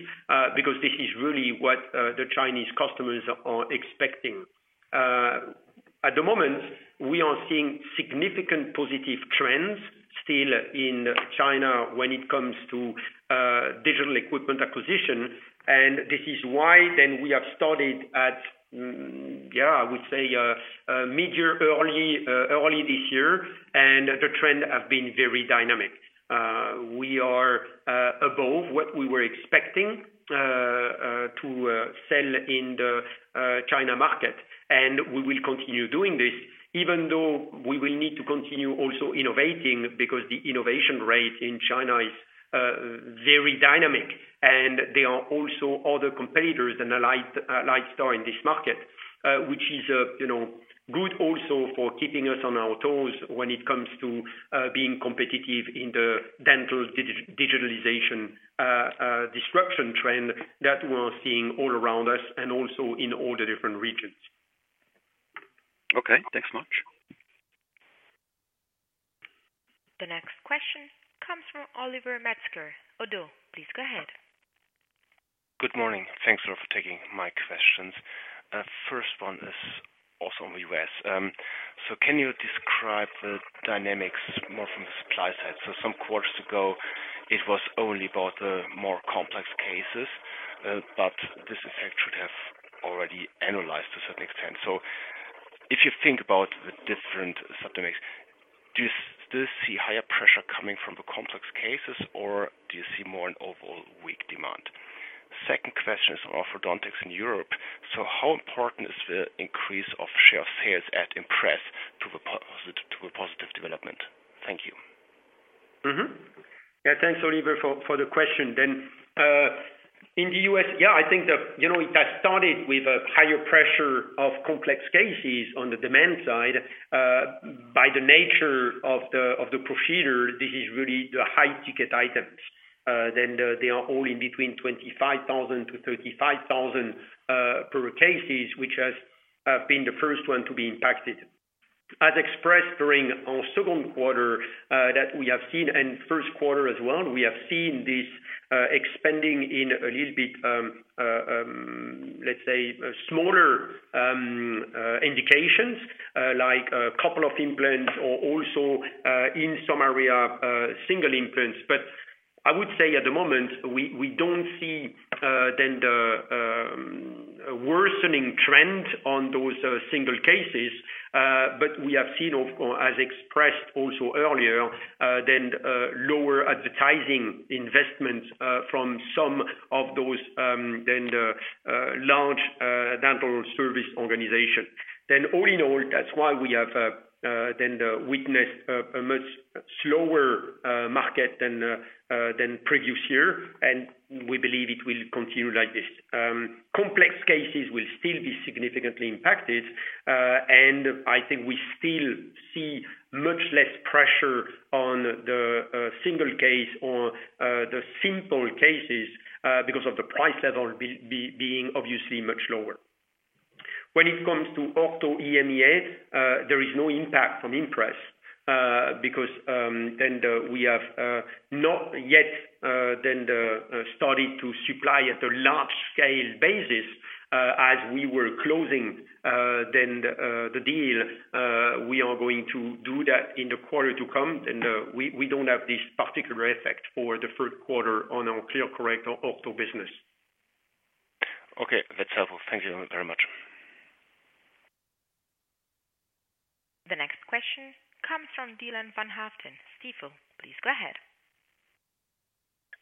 because this is really what the Chinese customers are expecting. At the moment, we are seeing significant positive trends still in China when it comes to digital equipment acquisition, and this is why then we have started at, yeah, I would say, midyear, early this year, and the trend have been very dynamic. We are above what we were expecting to sell in the China market, and we will continue doing this, even though we will need to continue also innovating, because the innovation rate in China is very dynamic, and there are also other competitors than Lightstar in this market. which is, you know, good also for keeping us on our toes when it comes to being competitive in the dental digitalization disruption trend that we're seeing all around us and also in all the different regions. Okay, thanks much. The next question comes from Oliver Metzger, Oddo. Please go ahead. Good morning. Thanks for taking my questions. First one is also on the U.S.. So can you describe the dynamics more from the supply side? So some quarters ago, it was only about the more complex cases, but this effect should have already annualized to a certain extent. So if you think about the different subdynamics, do you still see higher pressure coming from the complex cases, or do you see more an overall weak demand? Second question is orthodontics in Europe. So how important is the increase of share sales at Impress to a positive development? Thank you. Yeah, thanks, Oliver, for the question then. In the U.S., yeah, I think the, you know, it has started with a higher pressure of complex cases on the demand side, by the nature of the procedure, this is really the high ticket items. Then they are all in between $25,000-$35,000 per cases, which has been the first one to be impacted. As expressed during our second quarter, that we have seen and first quarter as well, we have seen this expanding in a little bit, let's say, smaller indications, like a couple of implants or also in some area single implants. But I would say at the moment, we don't see the worsening trend on those single cases. But we have seen or, or as expressed also earlier, then, lower advertising investments from some of those, the large dental service organization. Then all in all, that's why we have witnessed a much slower market than previous year, and we believe it will continue like this. Complex cases will still be significantly impacted, and I think we still see much less pressure on the single case or the simple cases because of the price level being obviously much lower. When it comes to Ortho EMEA, there is no impact from Impress because and we have not yet started to supply at a large scale basis as we were closing the deal. We are going to do that in the quarter to come, and we don't have this particular effect for the first quarter on our ClearCorrect ortho business. Okay, that's helpful. Thank you very much. The next question comes from Dylan van Haaften, Stifel. Please go ahead.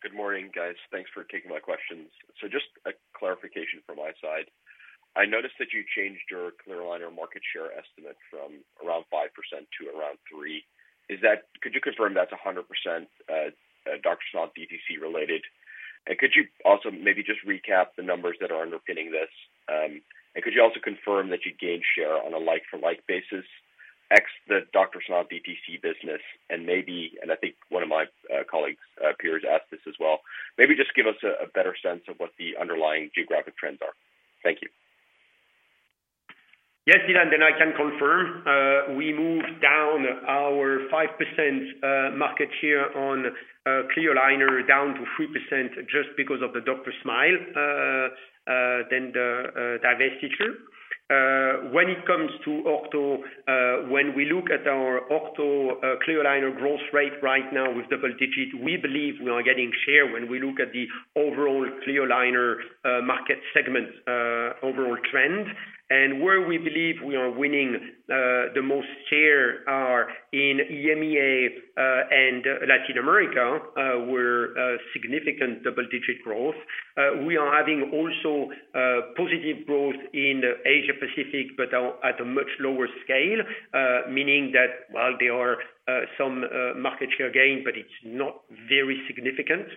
Good morning, guys. Thanks for taking my questions. So just a clarification from my side. I noticed that you changed your clear aligner market share estimate from around 5% to around 3%. Is that? Could you confirm that's 100% DrSmile DTC related? And could you also maybe just recap the numbers that are underpinning this, and could you also confirm that you gained share on a like-for-like basis, ex the DrSmile DTC business, and maybe, and I think one of my colleagues, peers asked this as well. Maybe just give us a better sense of what the underlying geographic trends are. Thank you. Yes, Dylan, then I can confirm, we moved down our 5% market share on clear aligner down to 3%, just because of the DrSmile, then the divestiture. When it comes to Ortho, when we look at our Ortho clear aligner growth rate right now with double digits, we believe we are getting share when we look at the overall clear aligner market segment overall trend. Where we believe we are winning the most share are in EMEA and Latin America, we're a significant double-digit growth. We are having also positive growth in Asia Pacific, but at a much lower scale, meaning that while there are some market share gain, but it's not very significant.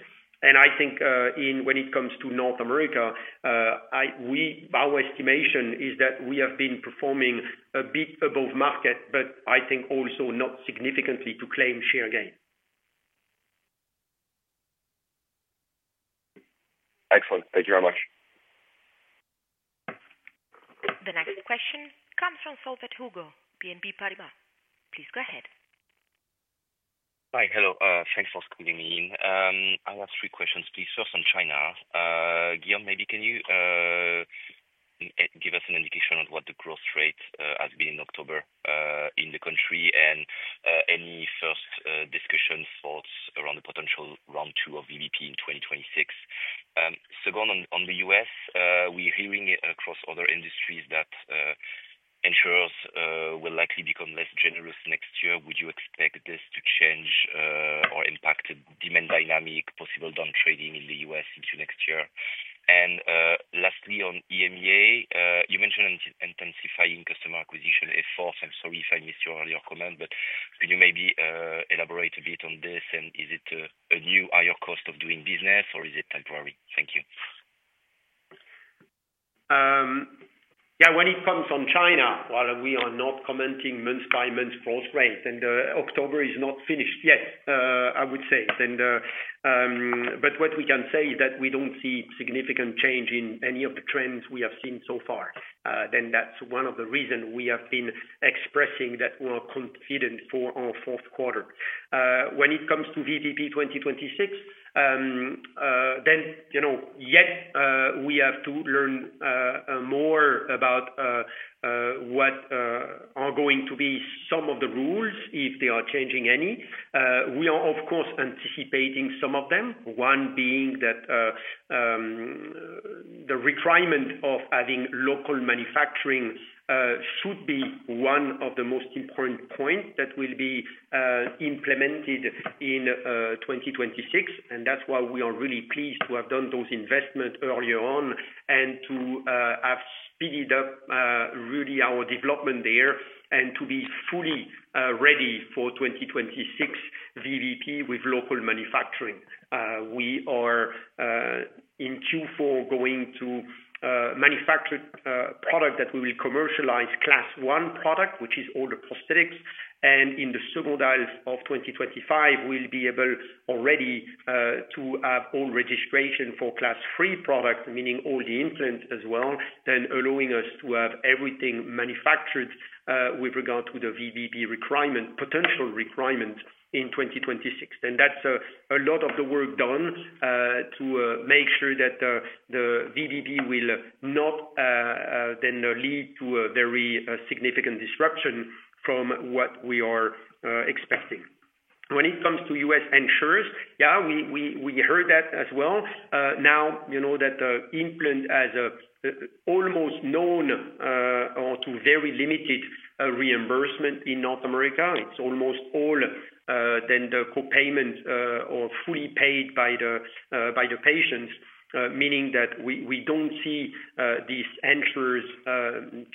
I think, when it comes to North America, our estimation is that we have been performing a bit above market, but I think also not significantly to claim share gain. Excellent. Thank you very much. The next question comes from Hugo Solvet, BNP Paribas. Please go ahead. ... Hi. Hello, thanks for squeezing me in. I have three questions, please. First, on China, Guillaume, maybe can you give us an indication on what the growth rate has been in October in the country and any first discussion, thoughts around the potential round two of VBP in 2026? Second, on the U.S., we're hearing it across other industries that insurers will likely become less generous next year. Would you expect this to change or impact demand dynamic, possible down trading in the U.S. into next year? And lastly, on EMEA, you mentioned intensifying customer acquisition efforts. I'm sorry if I missed your earlier comment, but could you maybe elaborate a bit on this? And is it a new higher cost of doing business, or is it temporary? Thank you. Yeah. When it comes from China, while we are not commenting month by month growth rate, and October is not finished yet, I would say, but what we can say is that we don't see significant change in any of the trends we have seen so far. That's one of the reason we have been expressing that we are confident for our fourth quarter. When it comes to VBP 2026, you know, yet we have to learn more about what are going to be some of the rules, if they are changing any. We are, of course, anticipating some of them, one being that the requirement of adding local manufacturing should be one of the most important points that will be implemented in 2026. And that's why we are really pleased to have done those investments earlier on and to have speeded up really our development there and to be fully ready for twenty twenty-six VBP with local manufacturing. We are in Q4 going to manufacture product that we will commercialize Class I product, which is all the prosthetics, and in the second half of twenty twenty-five, we'll be able already to have all registration for Class III products, meaning all the implants as well, then allowing us to have everything manufactured with regard to the VBP requirement, potential requirement in twenty twenty-six. And that's a lot of the work done to make sure that the VBP will not then lead to a very significant disruption from what we are expecting. When it comes to U.S. insurers, yeah, we heard that as well. Now, you know that implants have almost no or very limited reimbursement in North America, it's almost all the co-payment or fully paid by the patients, meaning that we don't see these insurers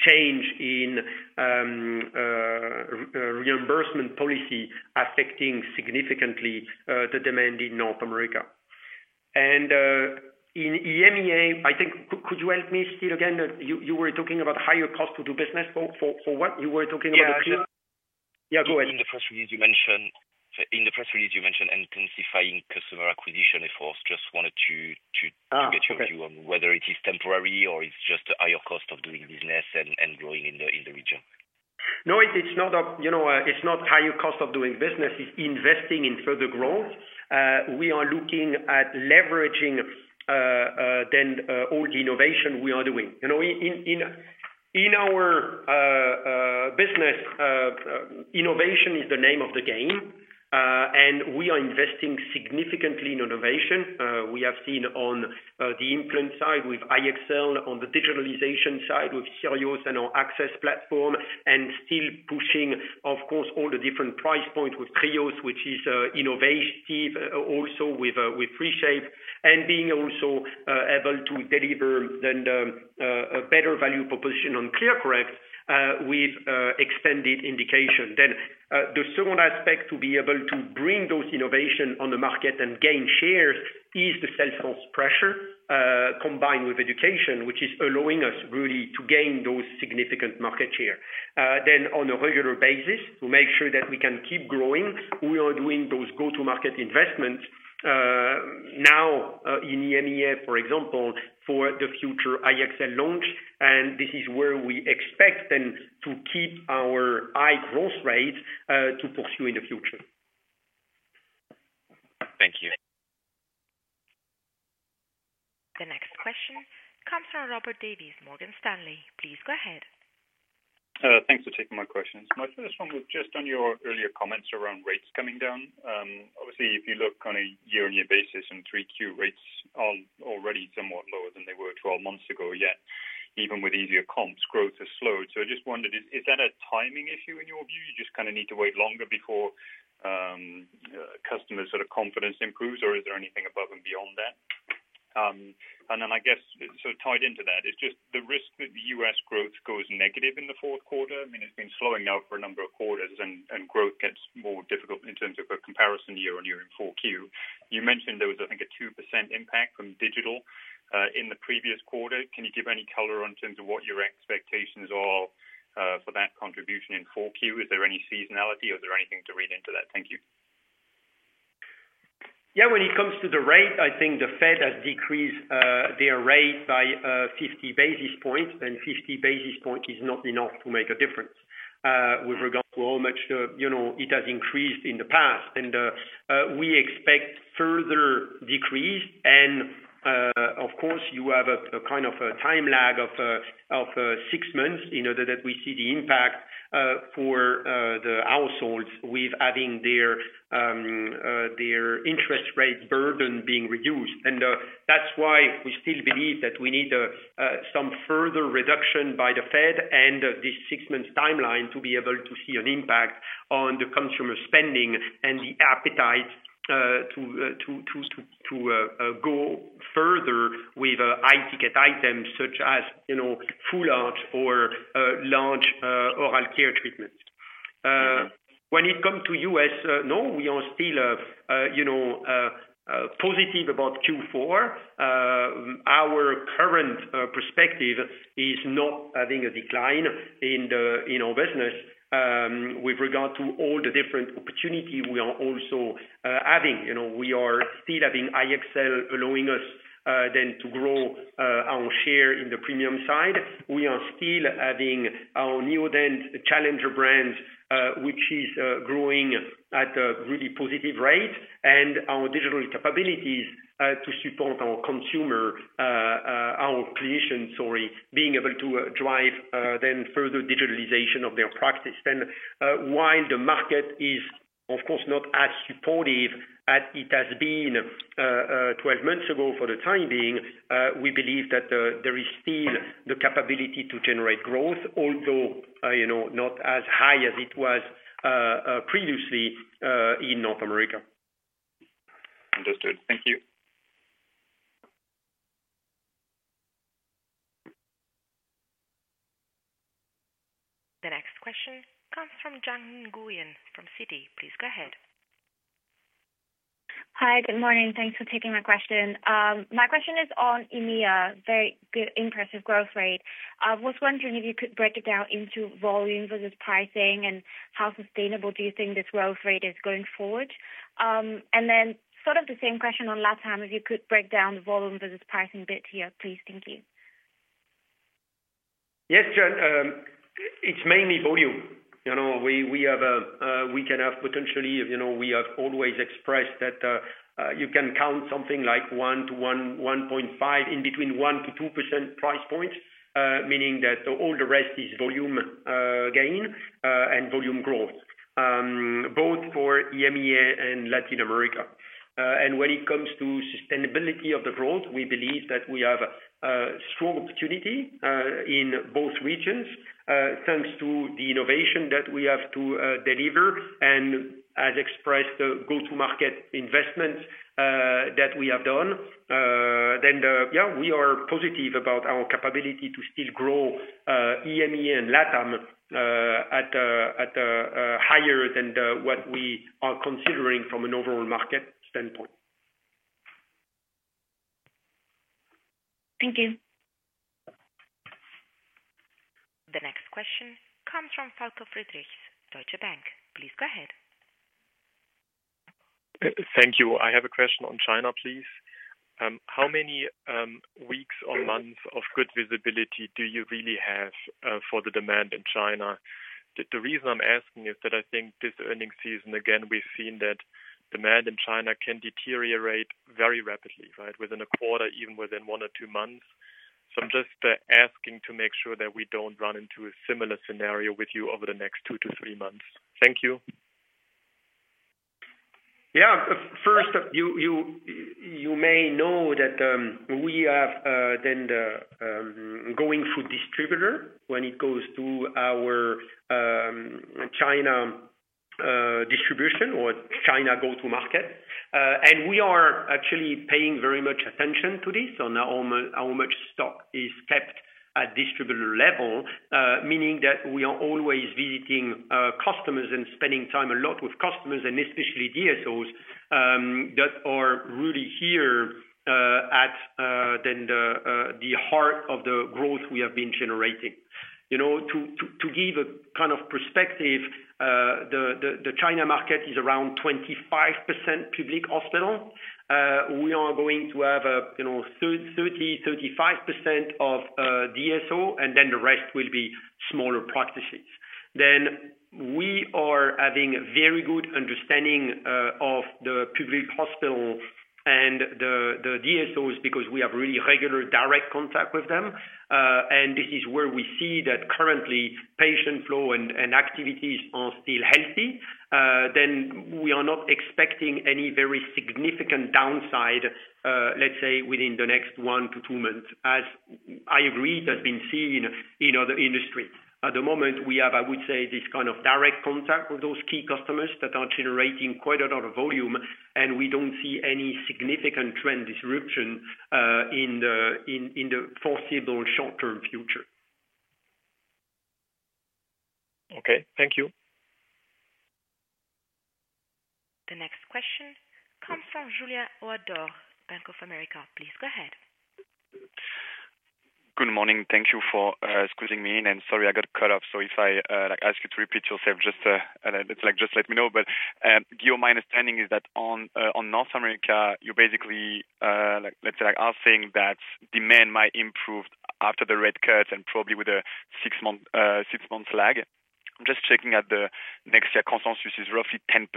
change in reimbursement policy affecting significantly the demand in North America. And in EMEA, I think, could you help me say it again? You were talking about higher cost to do business for what you were talking about here? Yeah. Yeah, go ahead. In the first release you mentioned intensifying customer acquisition efforts. Just wanted to Ah, okay. Get your view on whether it is temporary or it's just a higher cost of doing business and growing in the region. No, it's not a, you know, it's not higher cost of doing business. It's investing in further growth. We are looking at leveraging then all the innovation we are doing. You know, in our business, innovation is the name of the game, and we are investing significantly in innovation. We have seen on the implant side with iExcel, on the digitalization side within our AXS platform, and still pushing, of course, all the different price points with TRIOS, which is innovative, also with 3Shape, and being also able to deliver then a better value proposition on ClearCorrect, with extended indication. Then, the second aspect, to be able to bring those innovation on the market and gain shares is the sales force pressure, combined with education, which is allowing us really to gain those significant market share. Then on a regular basis, to make sure that we can keep growing, we are doing those go-to-market investments, now, in EMEA, for example, for the future iExcel launch, and this is where we expect then to keep our high growth rate, to pursue in the future. Thank you. The next question comes from Robert Davies, Morgan Stanley. Please go ahead. Thanks for taking my questions. My first one was just on your earlier comments around rates coming down. Obviously, if you look on a year-on-year basis, in 3Q, rates are already somewhat lower than they were twelve months ago, yet even with easier comps, growth has slowed. So I just wondered, is that a timing issue in your view? You just kind of need to wait longer before customers sort of confidence improves, or is there anything above and beyond that? And then I guess, so tied into that, is just the risk that the U.S. growth goes negative in the fourth quarter. I mean, it's been slowing now for a number of quarters, and growth gets more difficult in terms of a comparison year-on-year in 4Q. You mentioned there was, I think, a 2% impact from digital in the previous quarter. Can you give any color in terms of what your expectations are for that contribution in four Q? Is there any seasonality, or is there anything to read into that? Thank you. Yeah, when it comes to the rate, I think the Fed has decreased their rate by fifty basis points, and fifty basis point is not enough to make a difference with regard to how much you know it has increased in the past. And we expect further decrease and of course you have a kind of time lag of six months you know that we see the impact for the households with having their interest rate burden being reduced. That's why we still believe that we need some further reduction by the Fed and the six months timeline to be able to see an impact on the consumer spending and the appetite to go further with high ticket items such as, you know, full arch or large oral care treatments. When it come to US, no, we are still positive about Q4. Our current perspective is not having a decline in our business with regard to all the different opportunity we are also adding. You know, we are still having iExcel allowing us then to grow our share in the premium side. We are still adding our Neodent challenger brands, which is growing at a really positive rate, and our digital capabilities to support our customers, sorry, being able to drive then further digitalization of their practice. While the market is of course not as supportive as it has been twelve months ago for the time being, we believe that there is still the capability to generate growth, although, you know, not as high as it was previously in North America. Understood. Thank you. The next question comes from Giang Nguyen from Citi. Please go ahead. Hi, good morning. Thanks for taking my question. My question is on EMEA, very good impressive growth rate. I was wondering if you could break it down into volume versus pricing, and how sustainable do you think this growth rate is going forward? And then sort of the same question on Latam, if you could break down the volume versus pricing bit here, please. Thank you. Yes, sure. It's mainly volume. You know, we can have potentially, you know, we have always expressed that, you can count something like 1 to 1, 1.5 in between 1-2% price points, meaning that all the rest is volume gain and volume growth, both for EMEA and Latin America. And when it comes to sustainability of the growth, we believe that we have a strong opportunity in both regions, thanks to the innovation that we have to deliver and has expressed the go-to-market investment that we have done. Yeah, we are positive about our capability to still grow EMEA and Latam at a higher than what we are considering from an overall market standpoint. Thank you. The next question comes from Falko Friedrichs, Deutsche Bank. Please go ahead. Thank you. I have a question on China, please. How many weeks or months of good visibility do you really have for the demand in China? The reason I'm asking is that I think this earnings season, again, we've seen that demand in China can deteriorate very rapidly, right? Within a quarter, even within one or two months. So I'm just asking to make sure that we don't run into a similar scenario with you over the next two to three months. Thank you. Yeah. First, you may know that we have then the going through distributor when it goes to our China distribution or China go-to-market. And we are actually paying very much attention to this on how much stock is kept at distributor level, meaning that we are always visiting customers and spending time a lot with customers, and especially DSOs that are really here at the heart of the growth we have been generating. You know, to give a kind of perspective, the China market is around 25% public hospital. We are going to have, you know, 30-35% of DSO, and then the rest will be smaller practices. Then we are having very good understanding of the public hospital and the DSOs, because we have really regular, direct contact with them. And this is where we see that currently patient flow and activities are still healthy. Then we are not expecting any very significant downside, let's say, within the next one to two months, as I agree, that's been seen in other industries. At the moment we have, I would say, this kind of direct contact with those key customers that are generating quite a lot of volume, and we don't see any significant trend disruption in the foreseeable short-term future. Okay, thank you. The next question comes from Julien Ouaddour, Bank of America. Please go ahead.... Good morning. Thank you for squeezing me in, and sorry, I got cut off. So if I like ask you to repeat yourself, just it's like, just let me know. But Guillaume, my understanding is that on North America, you basically like, let's say, like, are saying that demand might improve after the rate cuts and probably with a six-month lag. I'm just checking out the next year consensus, which is roughly 10%.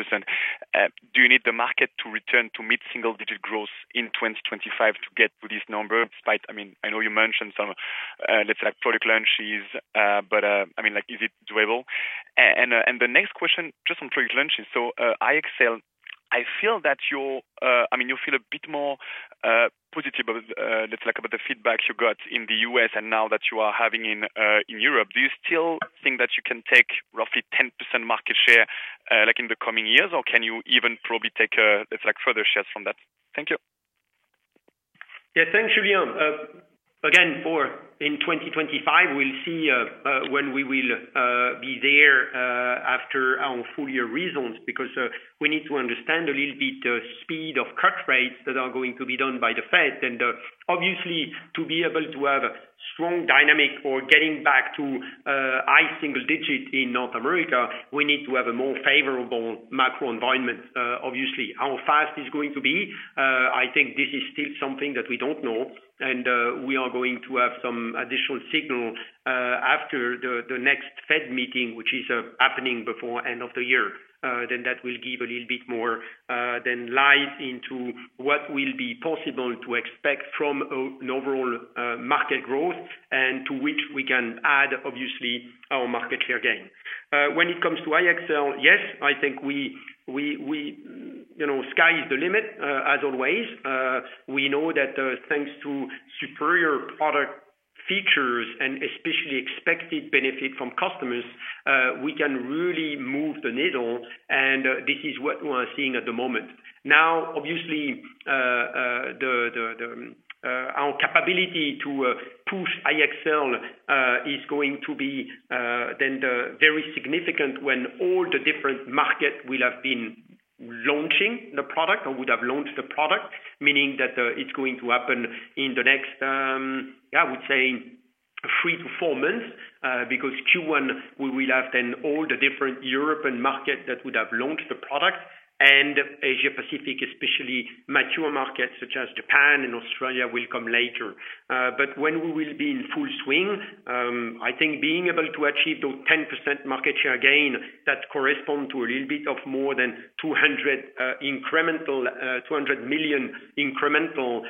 Do you need the market to return to mid-single digit growth in twenty twenty-five to get to this number, despite I mean, I know you mentioned some let's say, like, product launches, but I mean, like, is it doable? And the next question, just on product launches. So, iExcel, I feel that you're, I mean, you feel a bit more positive. Let's talk about the feedback you got in the US and now that you are having in Europe. Do you still think that you can take roughly 10% market share, like in the coming years, or can you even probably take, it's like further shares from that? Thank you. Yeah, thanks, Julian. Again, for 2025, we'll see when we will be there after our full year results, because we need to understand a little bit the speed of cut rates that are going to be done by the Fed. And obviously, to be able to have a strong dynamic of getting back to high single digit in North America, we need to have a more favorable macro environment. Obviously, how fast it's going to be, I think this is still something that we don't know, and we are going to have some additional signal after the next Fed meeting, which is happening before end of the year. Then that will give a little bit more insight into what will be possible to expect from an overall market growth, and to which we can add, obviously, our market share gain. When it comes to iExcel, yes, I think we, you know, sky is the limit, as always. We know that, thanks to superior product features and especially expected benefit from customers, we can really move the needle, and this is what we are seeing at the moment. Now, obviously, our capability to push iExcel is going to be then the very significant when all the different market will have been launching the product or would have launched the product, meaning that it's going to happen in the next, I would say three to four months, because Q1, we will have then all the different European market that would have launched the product, and Asia Pacific, especially mature markets such as Japan and Australia, will come later. But when we will be in full swing, I think being able to achieve those 10% market share gain, that correspond to a little bit of more than 200 incremental, 200 million incremental,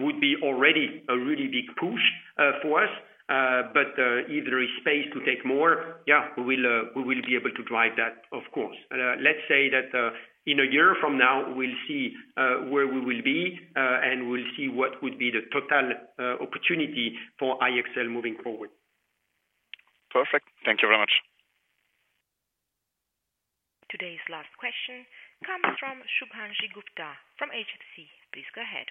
would be already a really big push for us. But if there is space to take more, yeah, we will be able to drive that, of course. Let's say that in a year from now, we'll see where we will be, and we'll see what would be the total opportunity for iExcel moving forward. Perfect. Thank you very much. Today's last question comes from Shubhangi Gupta from HSBC. Please go ahead.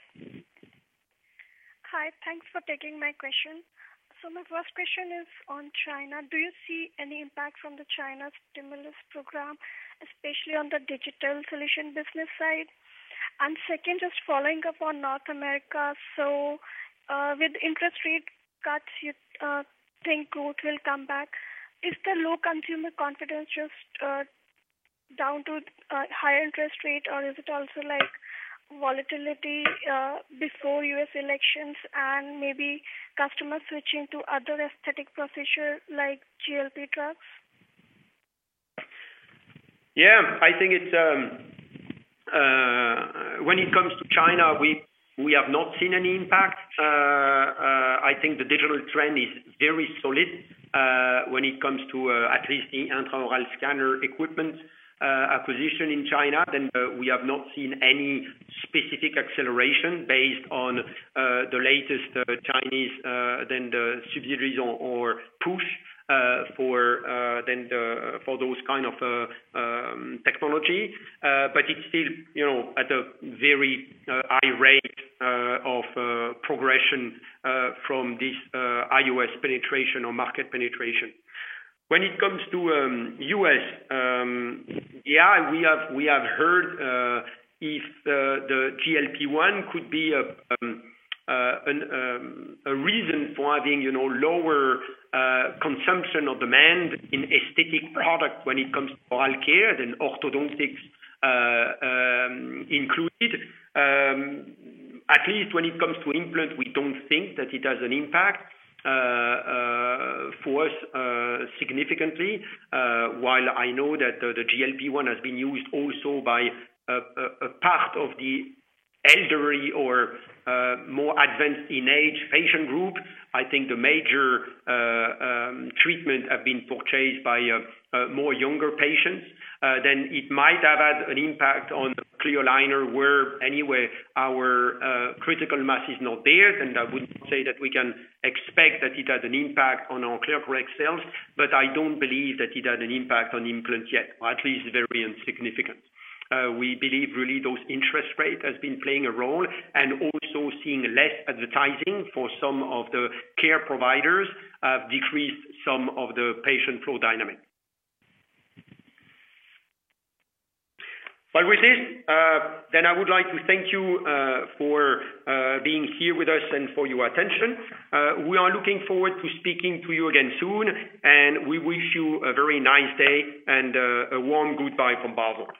Hi, thanks for taking my question. So my first question is on China. Do you see any impact from the China stimulus program, especially on the digital solution business side? And second, just following up on North America, so, with interest rate cuts, you think growth will come back. Is the low consumer confidence just down to higher interest rate, or is it also like volatility before U.S. elections and maybe customers switching to other aesthetic procedures like GLP drugs? Yeah, I think it's when it comes to China, we have not seen any impact. I think the digital trend is very solid when it comes to at least the intraoral scanner equipment acquisition in China. Then we have not seen any specific acceleration based on the latest Chinese subsidies or push for those kind of technology. But it's still, you know, at a very high rate of progression from this IOS penetration or market penetration. When it comes to U.S., yeah, we have heard if the GLP-1 could be a reason for having, you know, lower consumption or demand in aesthetic product when it comes to oral care than orthodontics included. At least when it comes to implant, we don't think that it has an impact for us significantly. While I know that the GLP-1 has been used also by a part of the elderly or more advanced in age patient group, I think the major treatment have been purchased by more younger patients. Then it might have had an impact on the clear aligner, where anyway, our critical mass is not there. Then I would say that we can expect that it has an impact on our ClearCorrect sales, but I don't believe that it has an impact on implants yet, or at least very insignificant. We believe really those interest rate has been playing a role, and also seeing less advertising for some of the care providers, decrease some of the patient flow dynamic. Like with this, then I would like to thank you for being here with us and for your attention. We are looking forward to speaking to you again soon, and we wish you a very nice day and a warm goodbye from Straumann.